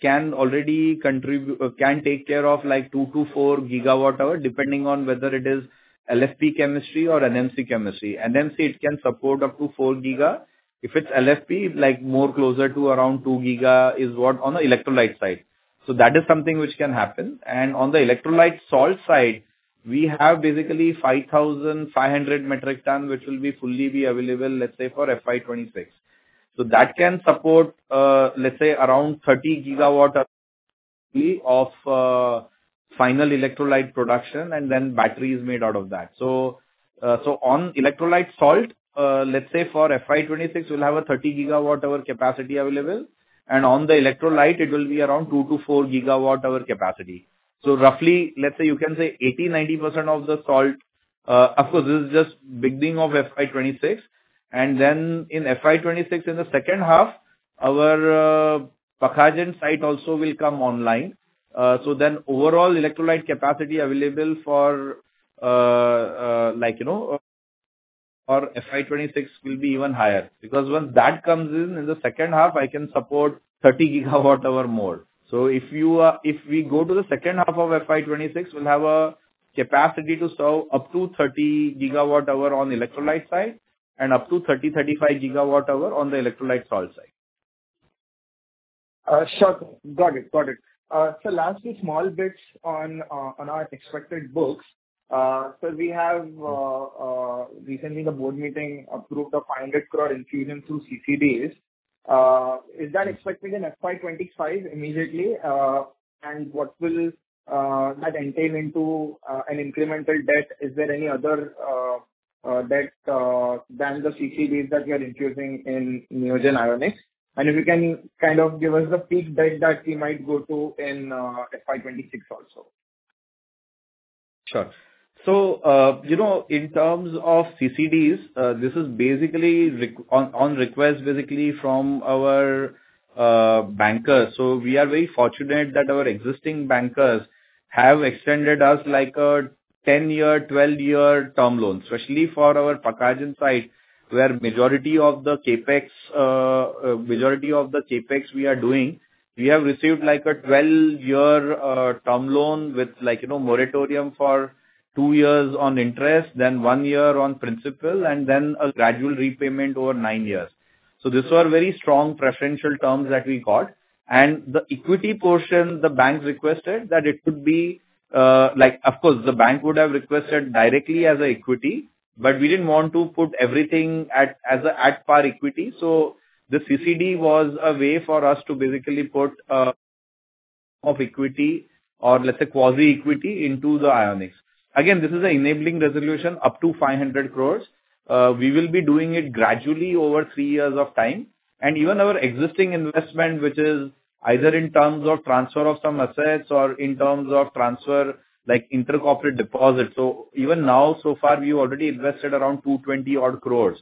can already take care of, like, 2-4 GWh, depending on whether it is LFP chemistry or NMC chemistry. NMC, it can support up to 4 GWh. If it's LFP, like, more closer to around 2 GWh is what on the electrolyte side. So that is something which can happen. And on the electrolyte salt side, we have basically 5500 metric ton, which will be fully be available, let's say, for FY 2026. So that can support, let's say, around 30 GWh of final electrolyte production, and then battery is made out of that. So on electrolyte salt, let's say for FY 2026, we'll have a 30 GWh capacity available, and on the electrolyte, it will be around 2-4 GWh capacity. So roughly, let's say, you can say 80-90% of the salt. Of course, this is just beginning of FY 2026. And then in FY 2026, in the second half, our Pakhajan site also will come online. So then overall electrolyte capacity available for, like, you know, for FY 2026 will be even higher. Because once that comes in, in the second half, I can support 30 GWh more. So if you, if we go to the second half of FY 2026, we'll have a capacity to serve up to 30 GWh on electrolyte side and up to 30-35 GWh on the electrolyte salt side. Sure. Got it. Got it. So lastly, small bits on our expected books. So we have recently the board meeting approved an 500 crore infusion through CCDs. Is that expected in FY 2025 immediately? And what will that entail into an incremental debt? Is there any other debt than the CCDs that you are introducing in Neogen Ionics? And if you can kind of give us a peak debt that we might go to in FY 2026 also. Sure. So, you know, in terms of CCDs, this is basically on request, basically, from our bankers. So we are very fortunate that our existing bankers have extended us, like, a 10-year, 12-year term loan, especially for our Pakhajan site, where majority of the CapEx, majority of the CapEx we are doing, we have received like a 12-year term loan with, like, you know, moratorium for two years on interest, then one year on principal, and then a gradual repayment over nine years. So these are very strong preferential terms that we got. And the equity portion, the bank requested that it could be, like, of course, the bank would have requested directly as an equity, but we didn't want to put everything as at par equity. So the CCD was a way for us to basically put of equity or, let's say, quasi-equity into the Ionics. Again, this is an enabling resolution up to 500 crore. We will be doing it gradually over three years of time. And even our existing investment, which is either in terms of transfer of some assets or in terms of transfer, like inter-corporate deposits. So even now, so far, we've already invested around 220-odd crore.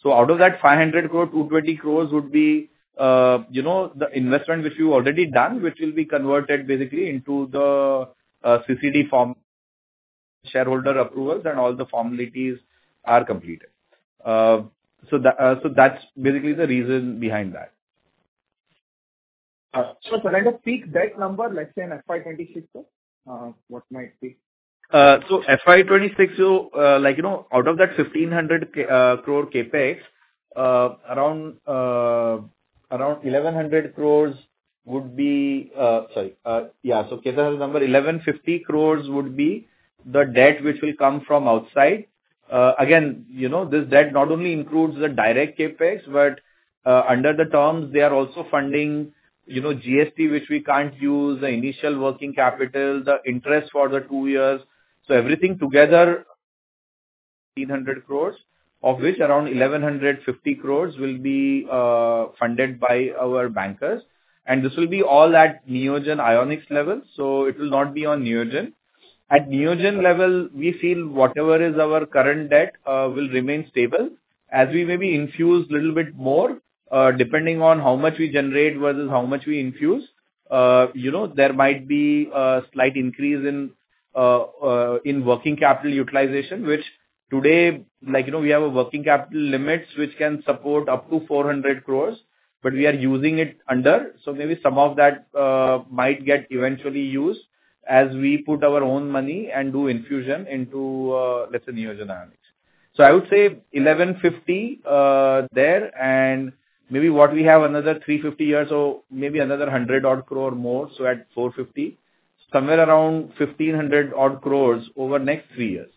So out of that 500 crore, 220 crore would be, you know, the investment which we've already done, which will be converted basically into the CCD form. Shareholder approvals and all the formalities are completed. So that's basically the reason behind that. So, can I just pick that number, let's say in FY 2026, sir, what might be? So FY 2026, so, like, you know, out of that 1,500 crore CapEx, around, around 1,100 crores would be... Sorry, yeah, so CapEx number 1,150 crores would be the debt which will come from outside. Again, you know, this debt not only includes the direct CapEx, but, under the terms, they are also funding, you know, GST, which we can't use, the initial working capital, the interest for the 2 years. So everything together, 1,800 crores, of which around 1,150 crores will be funded by our bankers. And this will be all at Neogen Ionics level, so it will not be on Neogen. At Neogen level, we feel whatever is our current debt will remain stable. As we maybe infuse little bit more, depending on how much we generate versus how much we infuse, you know, there might be a slight increase in, in working capital utilization. Which today, like, you know, we have a working capital limits, which can support up to 400 crores, but we are using it under, so maybe some of that, might get eventually used as we put our own money and do infusion into, let's say, Neogen Ionics. So I would say 1,150, there, and maybe what we have, another 350 here, so maybe another 100 odd crore more, so at 450. Somewhere around 1,500 odd crores over the next three years.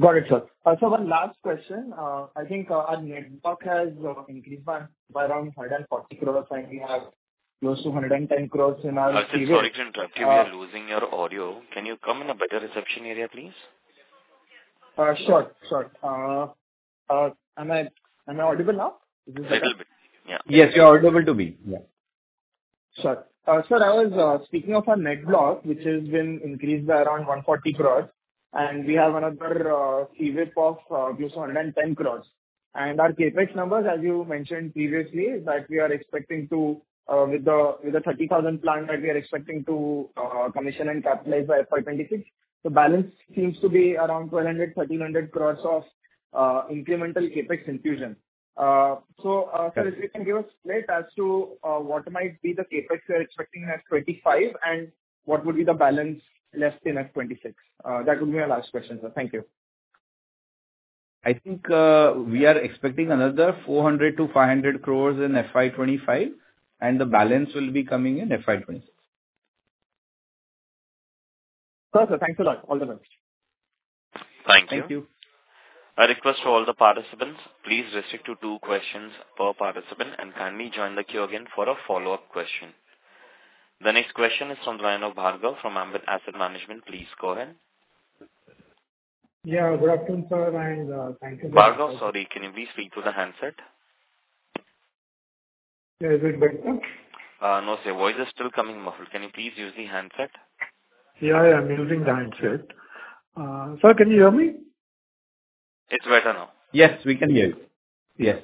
Got it, sir. Sir, one last question. I think our net block has increased by around 140 crore, and we have close to 110 crore in our- Sorry to interrupt you. We are losing your audio. Can you come in a better reception area, please? Sure, sure. Am I audible now? Little bit, yeah. Yes, you're audible to me. Yeah. Sure. Sir, I was speaking of our net block, which has been increased by around 140 crore, and we have another CFIP of close to 110 crore. And our CapEx numbers, as you mentioned previously, that we are expecting to, with the, with the 30,000 plant that we are expecting to commission and capitalize by FY 2026. The balance seems to be around 1,200-1,300 crore of incremental CapEx infusion. So, sir, if you can give us light as to what might be the CapEx we are expecting in FY 2025, and what would be the balance less than FY 2026? That would be my last question, sir. Thank you. I think, we are expecting another 400 crore-500 crore in FY 2025, and the balance will be coming in FY 2026. Perfect. Thanks a lot. All the best. Thank you. Thank you. I request all the participants, please restrict to two questions per participant, and kindly join the queue again for a follow-up question. The next question is from Ryan Bhargav from Ambit Asset Management. Please go ahead. Yeah, good afternoon, sir, and thank you. Bhargav, sorry, can you please speak to the handset? Yeah, is it better? No, your voice is still coming muffled. Can you please use the handset? Yeah, I am using the handset. Sir, can you hear me? It's better now. Yes, we can hear you. Yes.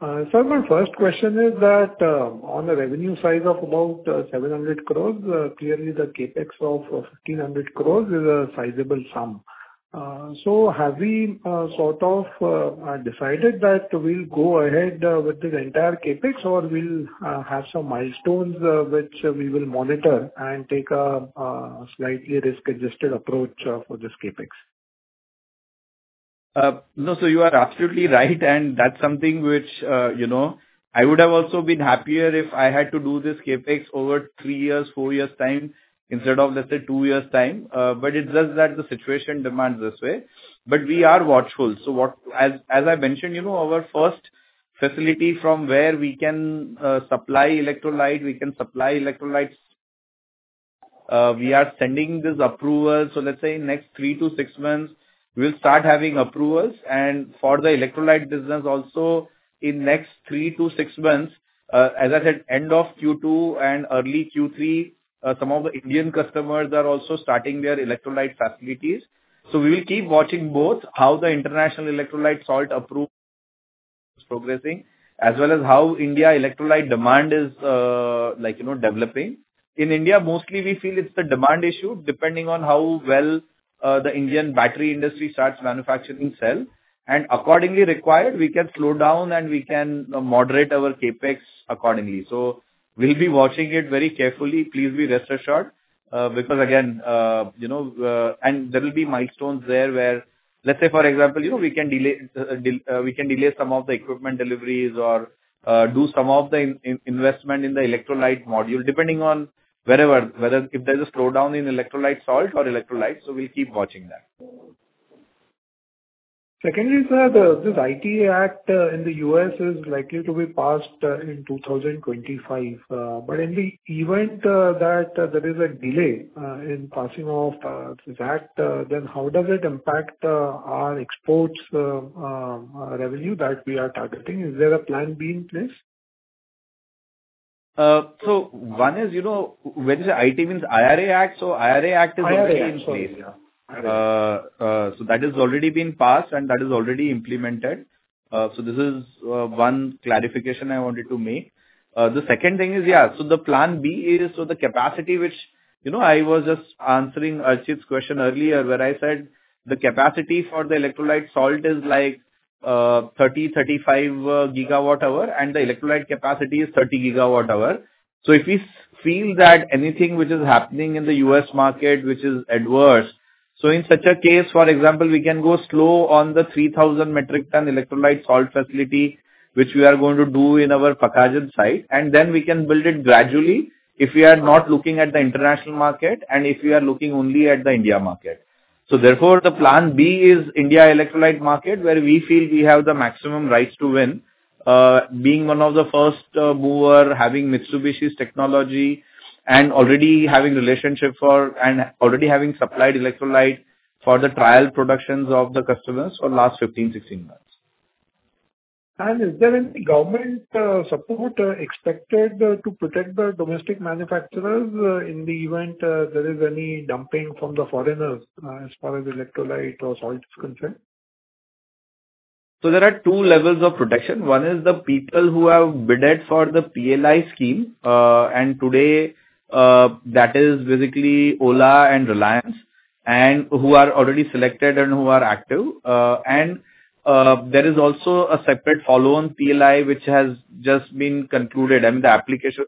Sir, my first question is that on the revenue side of about 700 crore, clearly the CapEx of 1,500 crore is a sizable sum. So have we sort of decided that we'll go ahead with this entire CapEx, or we'll have some milestones which we will monitor and take a slightly risk-adjusted approach for this CapEx? No, so you are absolutely right, and that's something which, you know, I would have also been happier if I had to do this CapEx over three years, four years' time, instead of, let's say, two years' time. But it's just that the situation demands this way. But we are watchful. As I mentioned, you know, our first facility from where we can supply electrolyte, we can supply electrolytes. We are sending this approval, so let's say next three to six months, we'll start having approvals. And for the electrolyte business also, in next three to six months, as I said, end of Q2 and early Q3, some of the Indian customers are also starting their electrolyte facilities. So we will keep watching both, how the international electrolyte salt approval is progressing-... As well as how Indian electrolyte demand is, like, you know, developing. In India, mostly we feel it's a demand issue, depending on how well the Indian battery industry starts manufacturing cell, and accordingly required, we can slow down and we can, you know, moderate our CapEx accordingly. So we'll be watching it very carefully. Please be rest assured, because again, you know, and there will be milestones there where, let's say, for example, you know, we can delay, we can delay some of the equipment deliveries or, do some of the investment in the electrolyte module, depending on wherever, whether if there's a slowdown in electrolyte salt or electrolyte, so we'll keep watching that. Secondly, sir, this IRA Act in the U.S. is likely to be passed in 2025. But in the event that there is a delay in passing of this act, then how does it impact our exports revenue that we are targeting? Is there a plan B in place? So one is, you know, when you say it, it means IRA Act, so IRA Act is already in place. IRA Act, sorry. Yeah. So that has already been passed and that is already implemented. So this is one clarification I wanted to make. The second thing is, yeah, so the plan B is, so the capacity which... You know, I was just answering Archit's question earlier, where I said the capacity for the electrolyte salt is like 30-35 GWh and the electrolyte capacity is 30 GWh. So if we feel that anything which is happening in the U.S. market, which is adverse, so in such a case, for example, we can go slow on the 3,000 metric ton electrolyte salt facility, which we are going to do in our Pakhajan site, and then we can build it gradually if we are not looking at the international market, and if we are looking only at the India market. Therefore, the plan B is India electrolyte market, where we feel we have the maximum rights to win, being one of the first mover, having Mitsubishi's technology, and already having relationship for, and already having supplied electrolyte for the trial productions of the customers for last 15, 16 months. Is there any government support expected to protect the domestic manufacturers in the event there is any dumping from the foreigners as far as electrolyte or salt is concerned? So there are two levels of protection. One is the people who have bid for the PLI scheme, and today, that is basically Ola and Reliance, and who are already selected and who are active. And there is also a separate follow-on PLI, which has just been concluded, and the application,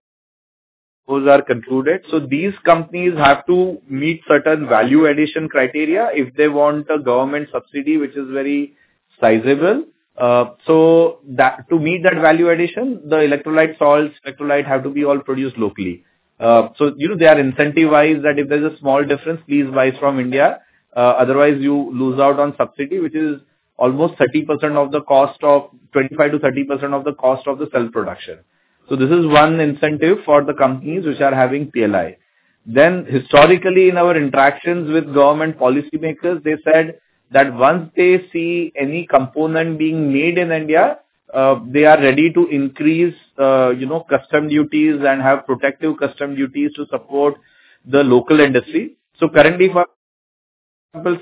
those are concluded. So these companies have to meet certain value addition criteria if they want a government subsidy, which is very sizable. So that, to meet that value addition, the electrolyte salts, electrolyte have to be all produced locally. So, you know, they are incentivized that if there's a small difference, please buy from India. Otherwise you lose out on subsidy, which is almost 30% of the cost of... 25%-30% of the cost of the cell production. So this is one incentive for the companies which are having PLI. Then, historically, in our interactions with government policymakers, they said that once they see any component being made in India, they are ready to increase, you know, customs duties and have protective customs duties to support the local industry. So currently for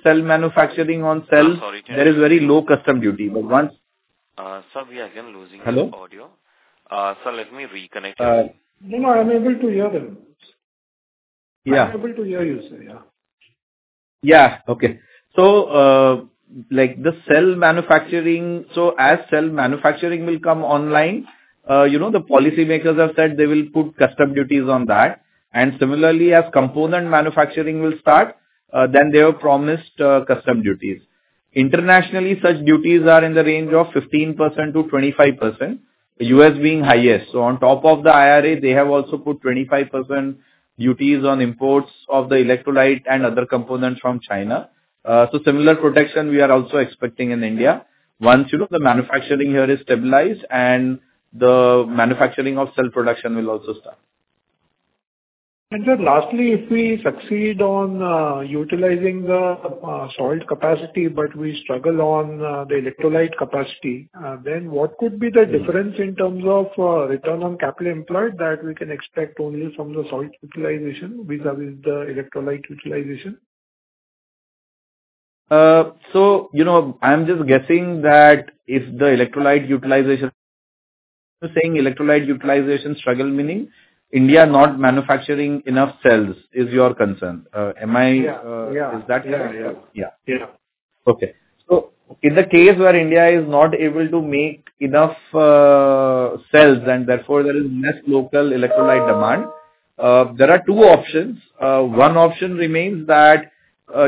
cell manufacturing on cell, there is very low custom duty, but once- Sir, we are again losing your audio. Hello? Sir, let me reconnect you. No, no, I'm able to hear them. Yeah. I'm able to hear you, sir, yeah. Yeah, okay. So, like, the cell manufacturing, so as cell manufacturing will come online, you know, the policymakers have said they will put customs duties on that, and similarly, as component manufacturing will start, then they have promised, customs duties. Internationally, such duties are in the range of 15%-25%, U.S. being highest. So on top of the IRA, they have also put 25% duties on imports of the electrolyte and other components from China. So similar protection we are also expecting in India once, you know, the manufacturing here is stabilized and the manufacturing of cell production will also start. And then lastly, if we succeed on utilizing the salt capacity, but we struggle on the electrolyte capacity, then what could be the difference in terms of return on capital employed that we can expect only from the salt utilization vis-à-vis the electrolyte utilization? So you know, I'm just guessing that if the electrolyte utilization... You're saying electrolyte utilization struggle, meaning India not manufacturing enough cells, is your concern? Am I- Yeah. Yeah. Is that your- Yeah. Okay. So in the case where India is not able to make enough, cells and therefore there is less local electrolyte demand, there are two options. One option remains that,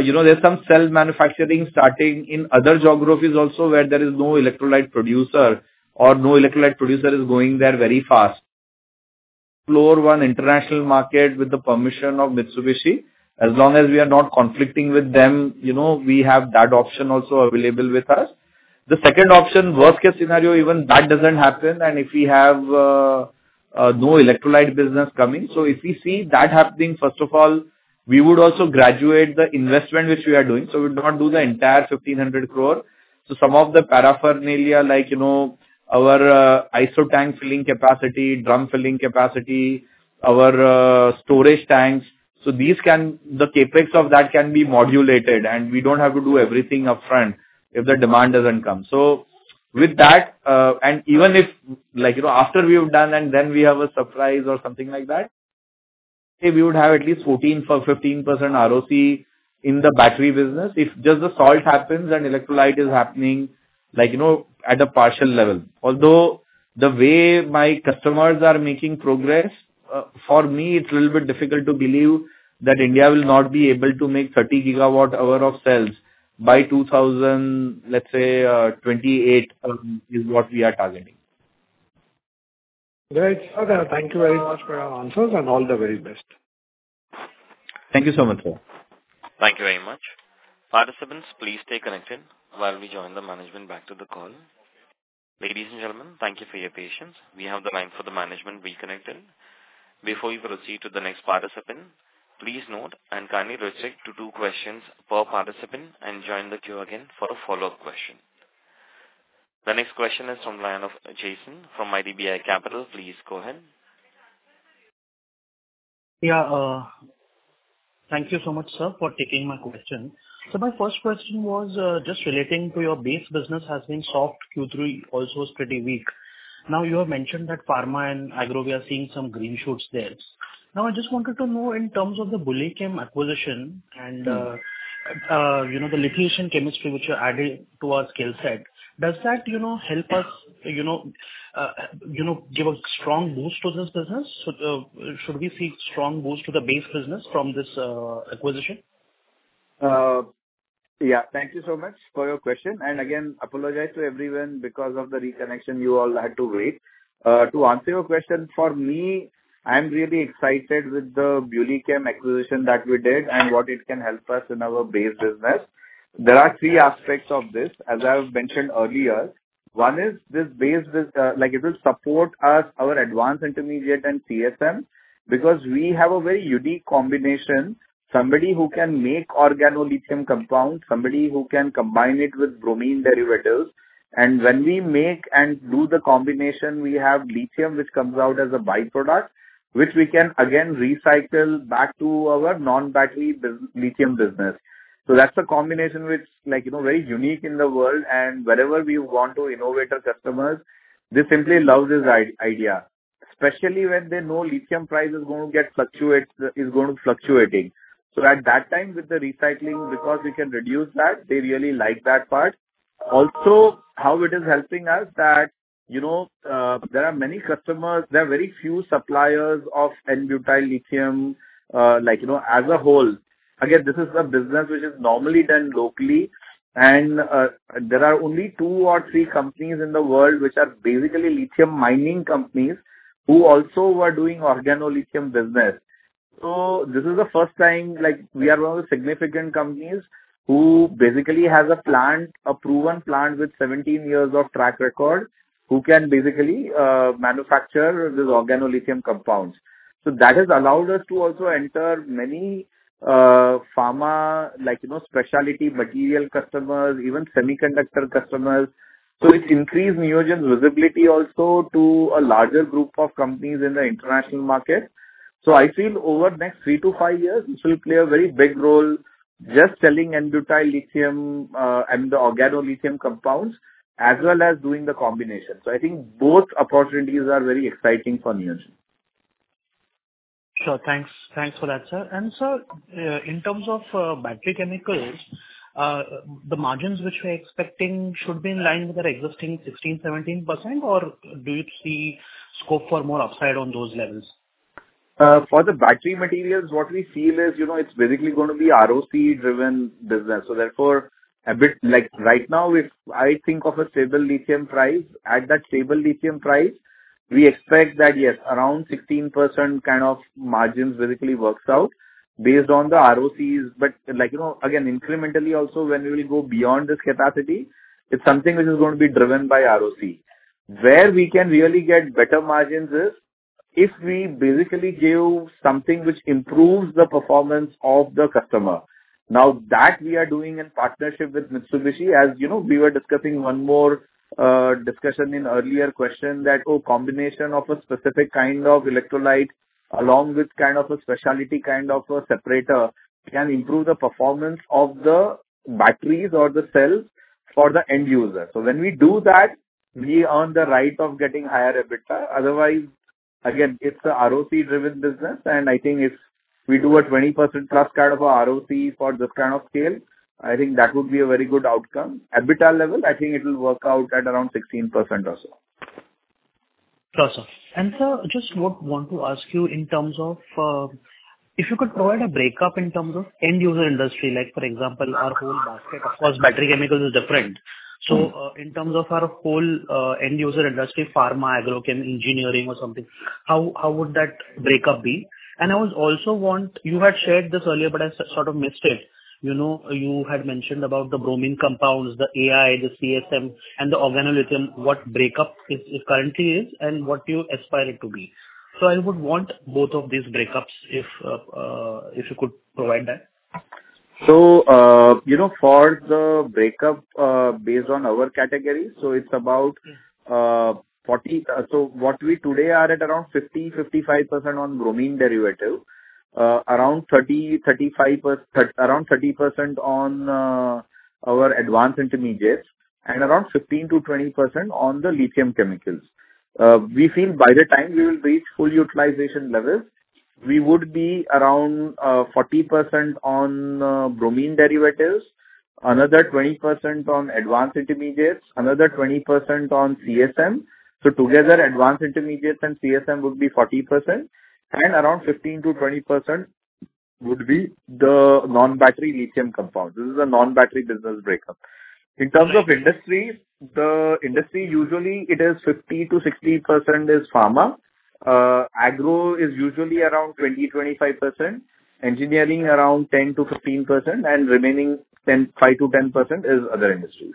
you know, there's some cell manufacturing starting in other geographies also, where there is no electrolyte producer or no electrolyte producer is going there very fast. Explore one international market with the permission of Mitsubishi. As long as we are not conflicting with them, you know, we have that option also available with us. The second option, worst case scenario, even that doesn't happen, and if we have, no electrolyte business coming. So if we see that happening, first of all, we would also graduate the investment which we are doing, so we would not do the entire 1,500 crore. So some of the paraphernalia, like, you know, our iso tank filling capacity, drum filling capacity, our storage tanks, so these can-- the CapEx of that can be modulated, and we don't have to do everything upfront if the demand doesn't come. So with that, and even if, like, you know, after we have done and then we have a surprise or something like that? ... we would have at least 14 or 15% ROC in the battery business. If just the salt happens, then electrolyte is happening, like, you know, at a partial level. Although, the way my customers are making progress, for me, it's a little bit difficult to believe that India will not be able to make 30 GWh of cells by 2028, is what we are targeting. Great, sir. Thank you very much for your answers, and all the very best. Thank you so much, sir. Thank you very much. Participants, please stay connected while we join the management back to the call. Ladies and gentlemen, thank you for your patience. We have the line for the management reconnected. Before we proceed to the next participant, please note and kindly restrict to two questions per participant, and join the queue again for a follow-up question. The next question is from the line of Jason from IDBI Capital. Please go ahead. Yeah, thank you so much, sir, for taking my question. So my first question was, just relating to your base business has been soft, Q3 also is pretty weak. Now, you have mentioned that pharma and agro, we are seeing some green shoots there. Now, I just wanted to know in terms of the BuLi Chem acquisition and, you know, the lithium chemistry which you added to our skill set, does that, you know, help us, you know, give a strong boost to this business? So, should we see strong boost to the base business from this acquisition? Yeah. Thank you so much for your question, and again, apologize to everyone because of the reconnection you all had to wait. To answer your question, for me, I'm really excited with the BuLi Chem acquisition that we did and what it can help us in our base business. There are three aspects of this, as I have mentioned earlier. One is this base business, like, it will support us, our advanced intermediate and CSM, because we have a very unique combination, somebody who can make organolithium compound, somebody who can combine it with bromine derivatives. And when we make and do the combination, we have lithium, which comes out as a by-product, which we can again recycle back to our non-battery lithium business. So that's a combination which, like, you know, very unique in the world, and wherever we want to innovate our customers, they simply love this idea. Especially when they know lithium price is going to get fluctuates, is going to fluctuating. So at that time, with the recycling, because we can reduce that, they really like that part. Also, how it is helping us that, you know, there are many customers, there are very few suppliers of n-butyl lithium, like, you know, as a whole. Again, this is a business which is normally done locally, and there are only two or three companies in the world which are basically lithium mining companies, who also are doing organolithium business. So this is the first time, like, we are one of the significant companies who basically has a plant, a proven plant with 17 years of track record, who can basically manufacture these organolithium compounds. So that has allowed us to also enter many, pharma, like, you know, specialty material customers, even semiconductor customers. So it's increased Neogen's visibility also to a larger group of companies in the international market. So I feel over the next 3-5 years, this will play a very big role, just selling n-butyl lithium and the organolithium compounds, as well as doing the combination. So I think both opportunities are very exciting for Neogen. Sure. Thanks. Thanks for that, sir. And sir, in terms of battery chemicals, the margins which we're expecting should be in line with our existing 16%-17%, or do you see scope for more upside on those levels? For the battery materials, what we feel is, you know, it's basically gonna be ROC-driven business. So therefore, a bit like right now, it's, I think of a stable lithium price. At that stable lithium price, we expect that, yes, around 16% kind of margins basically works out based on the ROCs. But like, you know, again, incrementally also, when we will go beyond this capacity, it's something which is going to be driven by ROC. Where we can really get better margins is, if we basically give something which improves the performance of the customer. Now, that we are doing in partnership with Mitsubishi, as you know, we were discussing one more discussion in earlier question, that a combination of a specific kind of electrolyte along with kind of a specialty kind of a separator, can improve the performance of the batteries or the cells for the end user. So when we do that, we earn the right of getting higher EBITDA. Otherwise, again, it's a ROC-driven business, and I think if we do a 20% threshold of our ROC for this kind of scale, I think that would be a very good outcome. EBITDA level, I think it will work out at around 16% also. Sure, sir. And sir, just what I want to ask you in terms of, if you could provide a breakup in terms of end user industry, like, for example, our whole basket, of course, battery chemicals is different. So, in terms of our whole, end user industry, pharma, agro, chem, engineering or something, how would that breakup be? And I was also want... You had shared this earlier, but I sort of missed it. You know, you had mentioned about the bromine compounds, the AI, the CSM, and the organolithium, what breakup is currently, and what you aspire it to be. So I would want both of these breakups if you could provide that. So, you know, for the breakup, based on our category, so it's about- Mm. So what we today are at around 50-55% on bromine derivatives, around 30%-35% on our advanced intermediates, and around 15%-20% on the lithium chemicals. We feel by the time we will reach full utilization levels, we would be around 40% on bromine derivatives, another 20% on advanced intermediates, another 20% on CSM. So together, advanced intermediates and CSM would be 40%, and around 15%-20% would be the non-battery lithium compounds. This is a non-battery business breakup. In terms of industries, the industry usually it is 50%-60% is pharma. Agro is usually around 20-25%, engineering around 10%-15%, and remaining 5%-10% is other industries.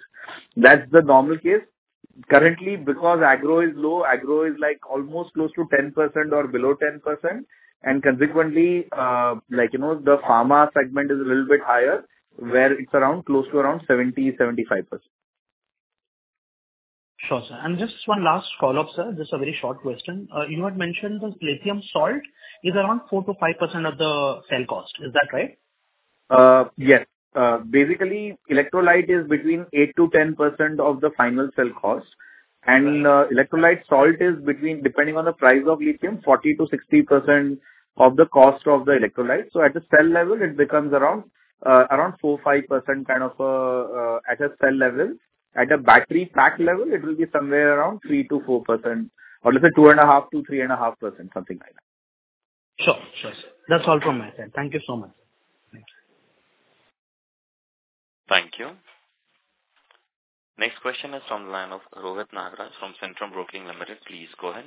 That's the normal case. Currently, because agro is low, agro is, like, almost close to 10% or below 10%, and consequently, like, you know, the pharma segment is a little bit higher, where it's around close to around 70-75%. Sure, sir. And just one last follow-up, sir. Just a very short question. You had mentioned the lithium salt is around 4%-5% of the cell cost. Is that right? Yes. Basically, electrolyte is between 8%-10% of the final cell cost. And, electrolyte salt is between, depending on the price of lithium, 40%-60% of the cost of the electrolyte. So at a cell level, it becomes around, around 4-5% kind of, at a cell level. At a battery pack level, it will be somewhere around 3%-4%, or let's say 2.5%-3.5%, something like that. Sure. Sure, sir. That's all from my side. Thank you so much. Thanks. Thank you. Next question is from the line of Rohit Nagraj, from Centrum Broking Limited. Please go ahead.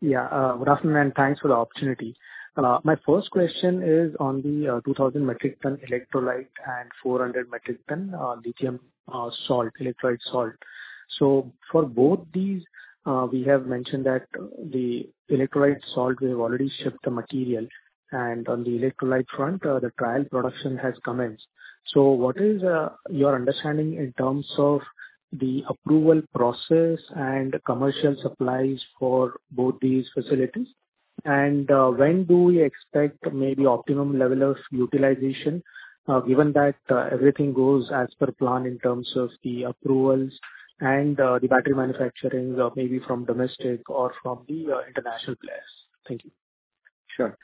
Yeah, good afternoon, and thanks for the opportunity. My first question is on the 2,000 metric ton electrolyte and 400 metric ton lithium salt, electrolyte salt. So for both these, we have mentioned that the electrolyte salt, we have already shipped the material, and on the electrolyte front, the trial production has commenced. So what is your understanding in terms of the approval process and commercial supplies for both these facilities? And when do we expect maybe optimum level of utilization, given that everything goes as per plan in terms of the approvals and the battery manufacturing, maybe from domestic or from the international players? Thank you. Sure.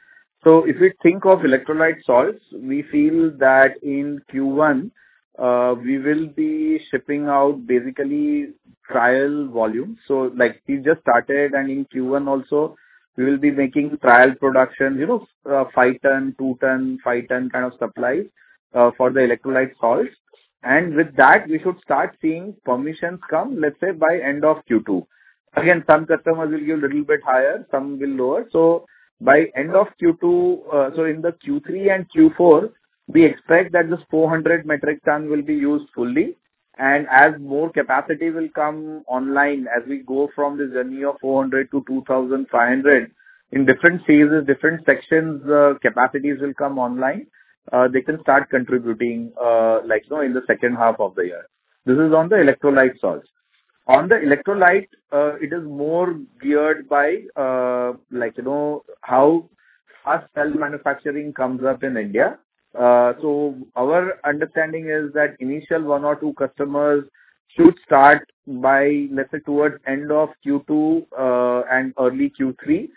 So if we think of electrolyte salts, we feel that in Q1, we will be shipping out basically trial volumes. So like, we just started, and in Q1 also, we will be making trial production, you know, 5 ton, 2 ton, 5 ton kind of supplies, for the electrolyte salts. And with that, we should start seeing permissions come, let's say, by end of Q2. Again, some customers will give little bit higher, some will lower. So by end of Q2, so in the Q3 and Q4, we expect that this 400 metric ton will be used fully. As more capacity will come online, as we go from this journey of 400 to 2,500, in different phases, different sections, capacities will come online, they can start contributing, like, you know, in the second half of the year. This is on the electrolyte salts. On the electrolyte, it is more geared by, like, you know, how our cell manufacturing comes up in India. So our understanding is that initial 1 or 2 customers should start by, let's say, towards end of Q2, and early Q3.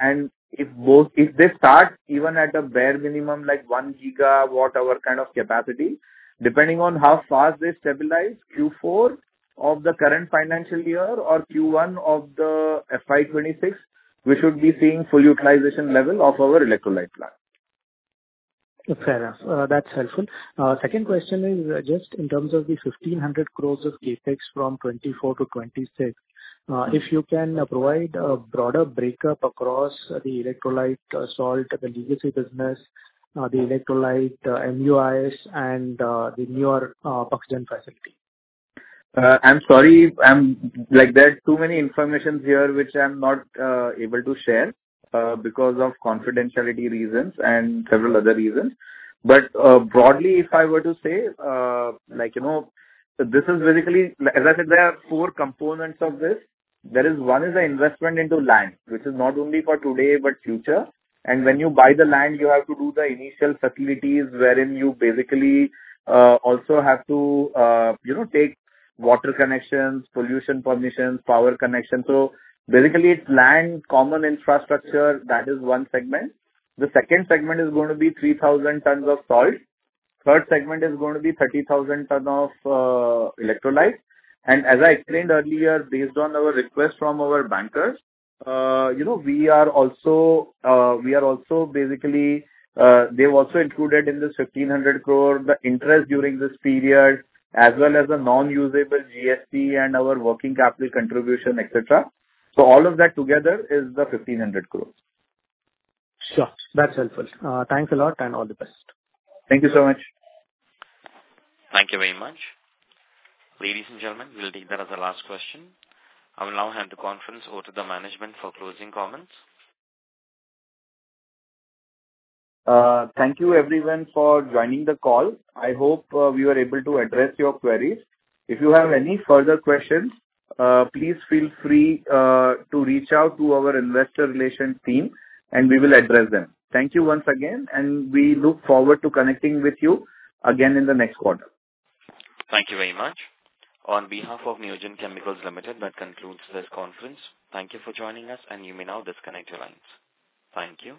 And if they start even at a bare minimum, like 1 GWh kind of capacity, depending on how fast they stabilize, Q4 of the current financial year or Q1 of the FY 2026, we should be seeing full utilization level of our electrolyte plant. Fair enough. That's helpful. Second question is just in terms of the 1,500 crores of CapEx from 2024-2026, if you can provide a broader breakup across the electrolyte salt, the DEC business, the electrolyte MUIs, and the newer oxygen facility. I'm sorry. Like, there are too many information here, which I'm not able to share, because of confidentiality reasons and several other reasons. But, broadly, if I were to say, like, you know, this is basically... Like, as I said, there are four components of this. There is, one is the investment into land, which is not only for today but future. And when you buy the land, you have to do the initial facilities, wherein you basically also have to, you know, take water connections, pollution permissions, power connection. So basically, it's land, common infrastructure, that is one segment. The second segment is going to be 3,000 tons of salt. Third segment is going to be 30,000 ton of electrolyte. As I explained earlier, based on our request from our bankers, you know, we are also, we are also basically, they've also included in this 1,500 crore, the interest during this period, as well as the non-usable GST and our working capital contribution, et cetera. All of that together is the 1,500 crores. Sure. That's helpful. Thanks a lot, and all the best. Thank you so much. Thank you very much. Ladies and gentlemen, we'll take that as the last question. I will now hand the conference over to the management for closing comments. Thank you everyone for joining the call. I hope, we were able to address your queries. If you have any further questions, please feel free, to reach out to our investor relations team, and we will address them. Thank you once again, and we look forward to connecting with you again in the next quarter. Thank you very much. On behalf of Neogen Chemicals Limited, that concludes this conference. Thank you for joining us, and you may now disconnect your lines. Thank you.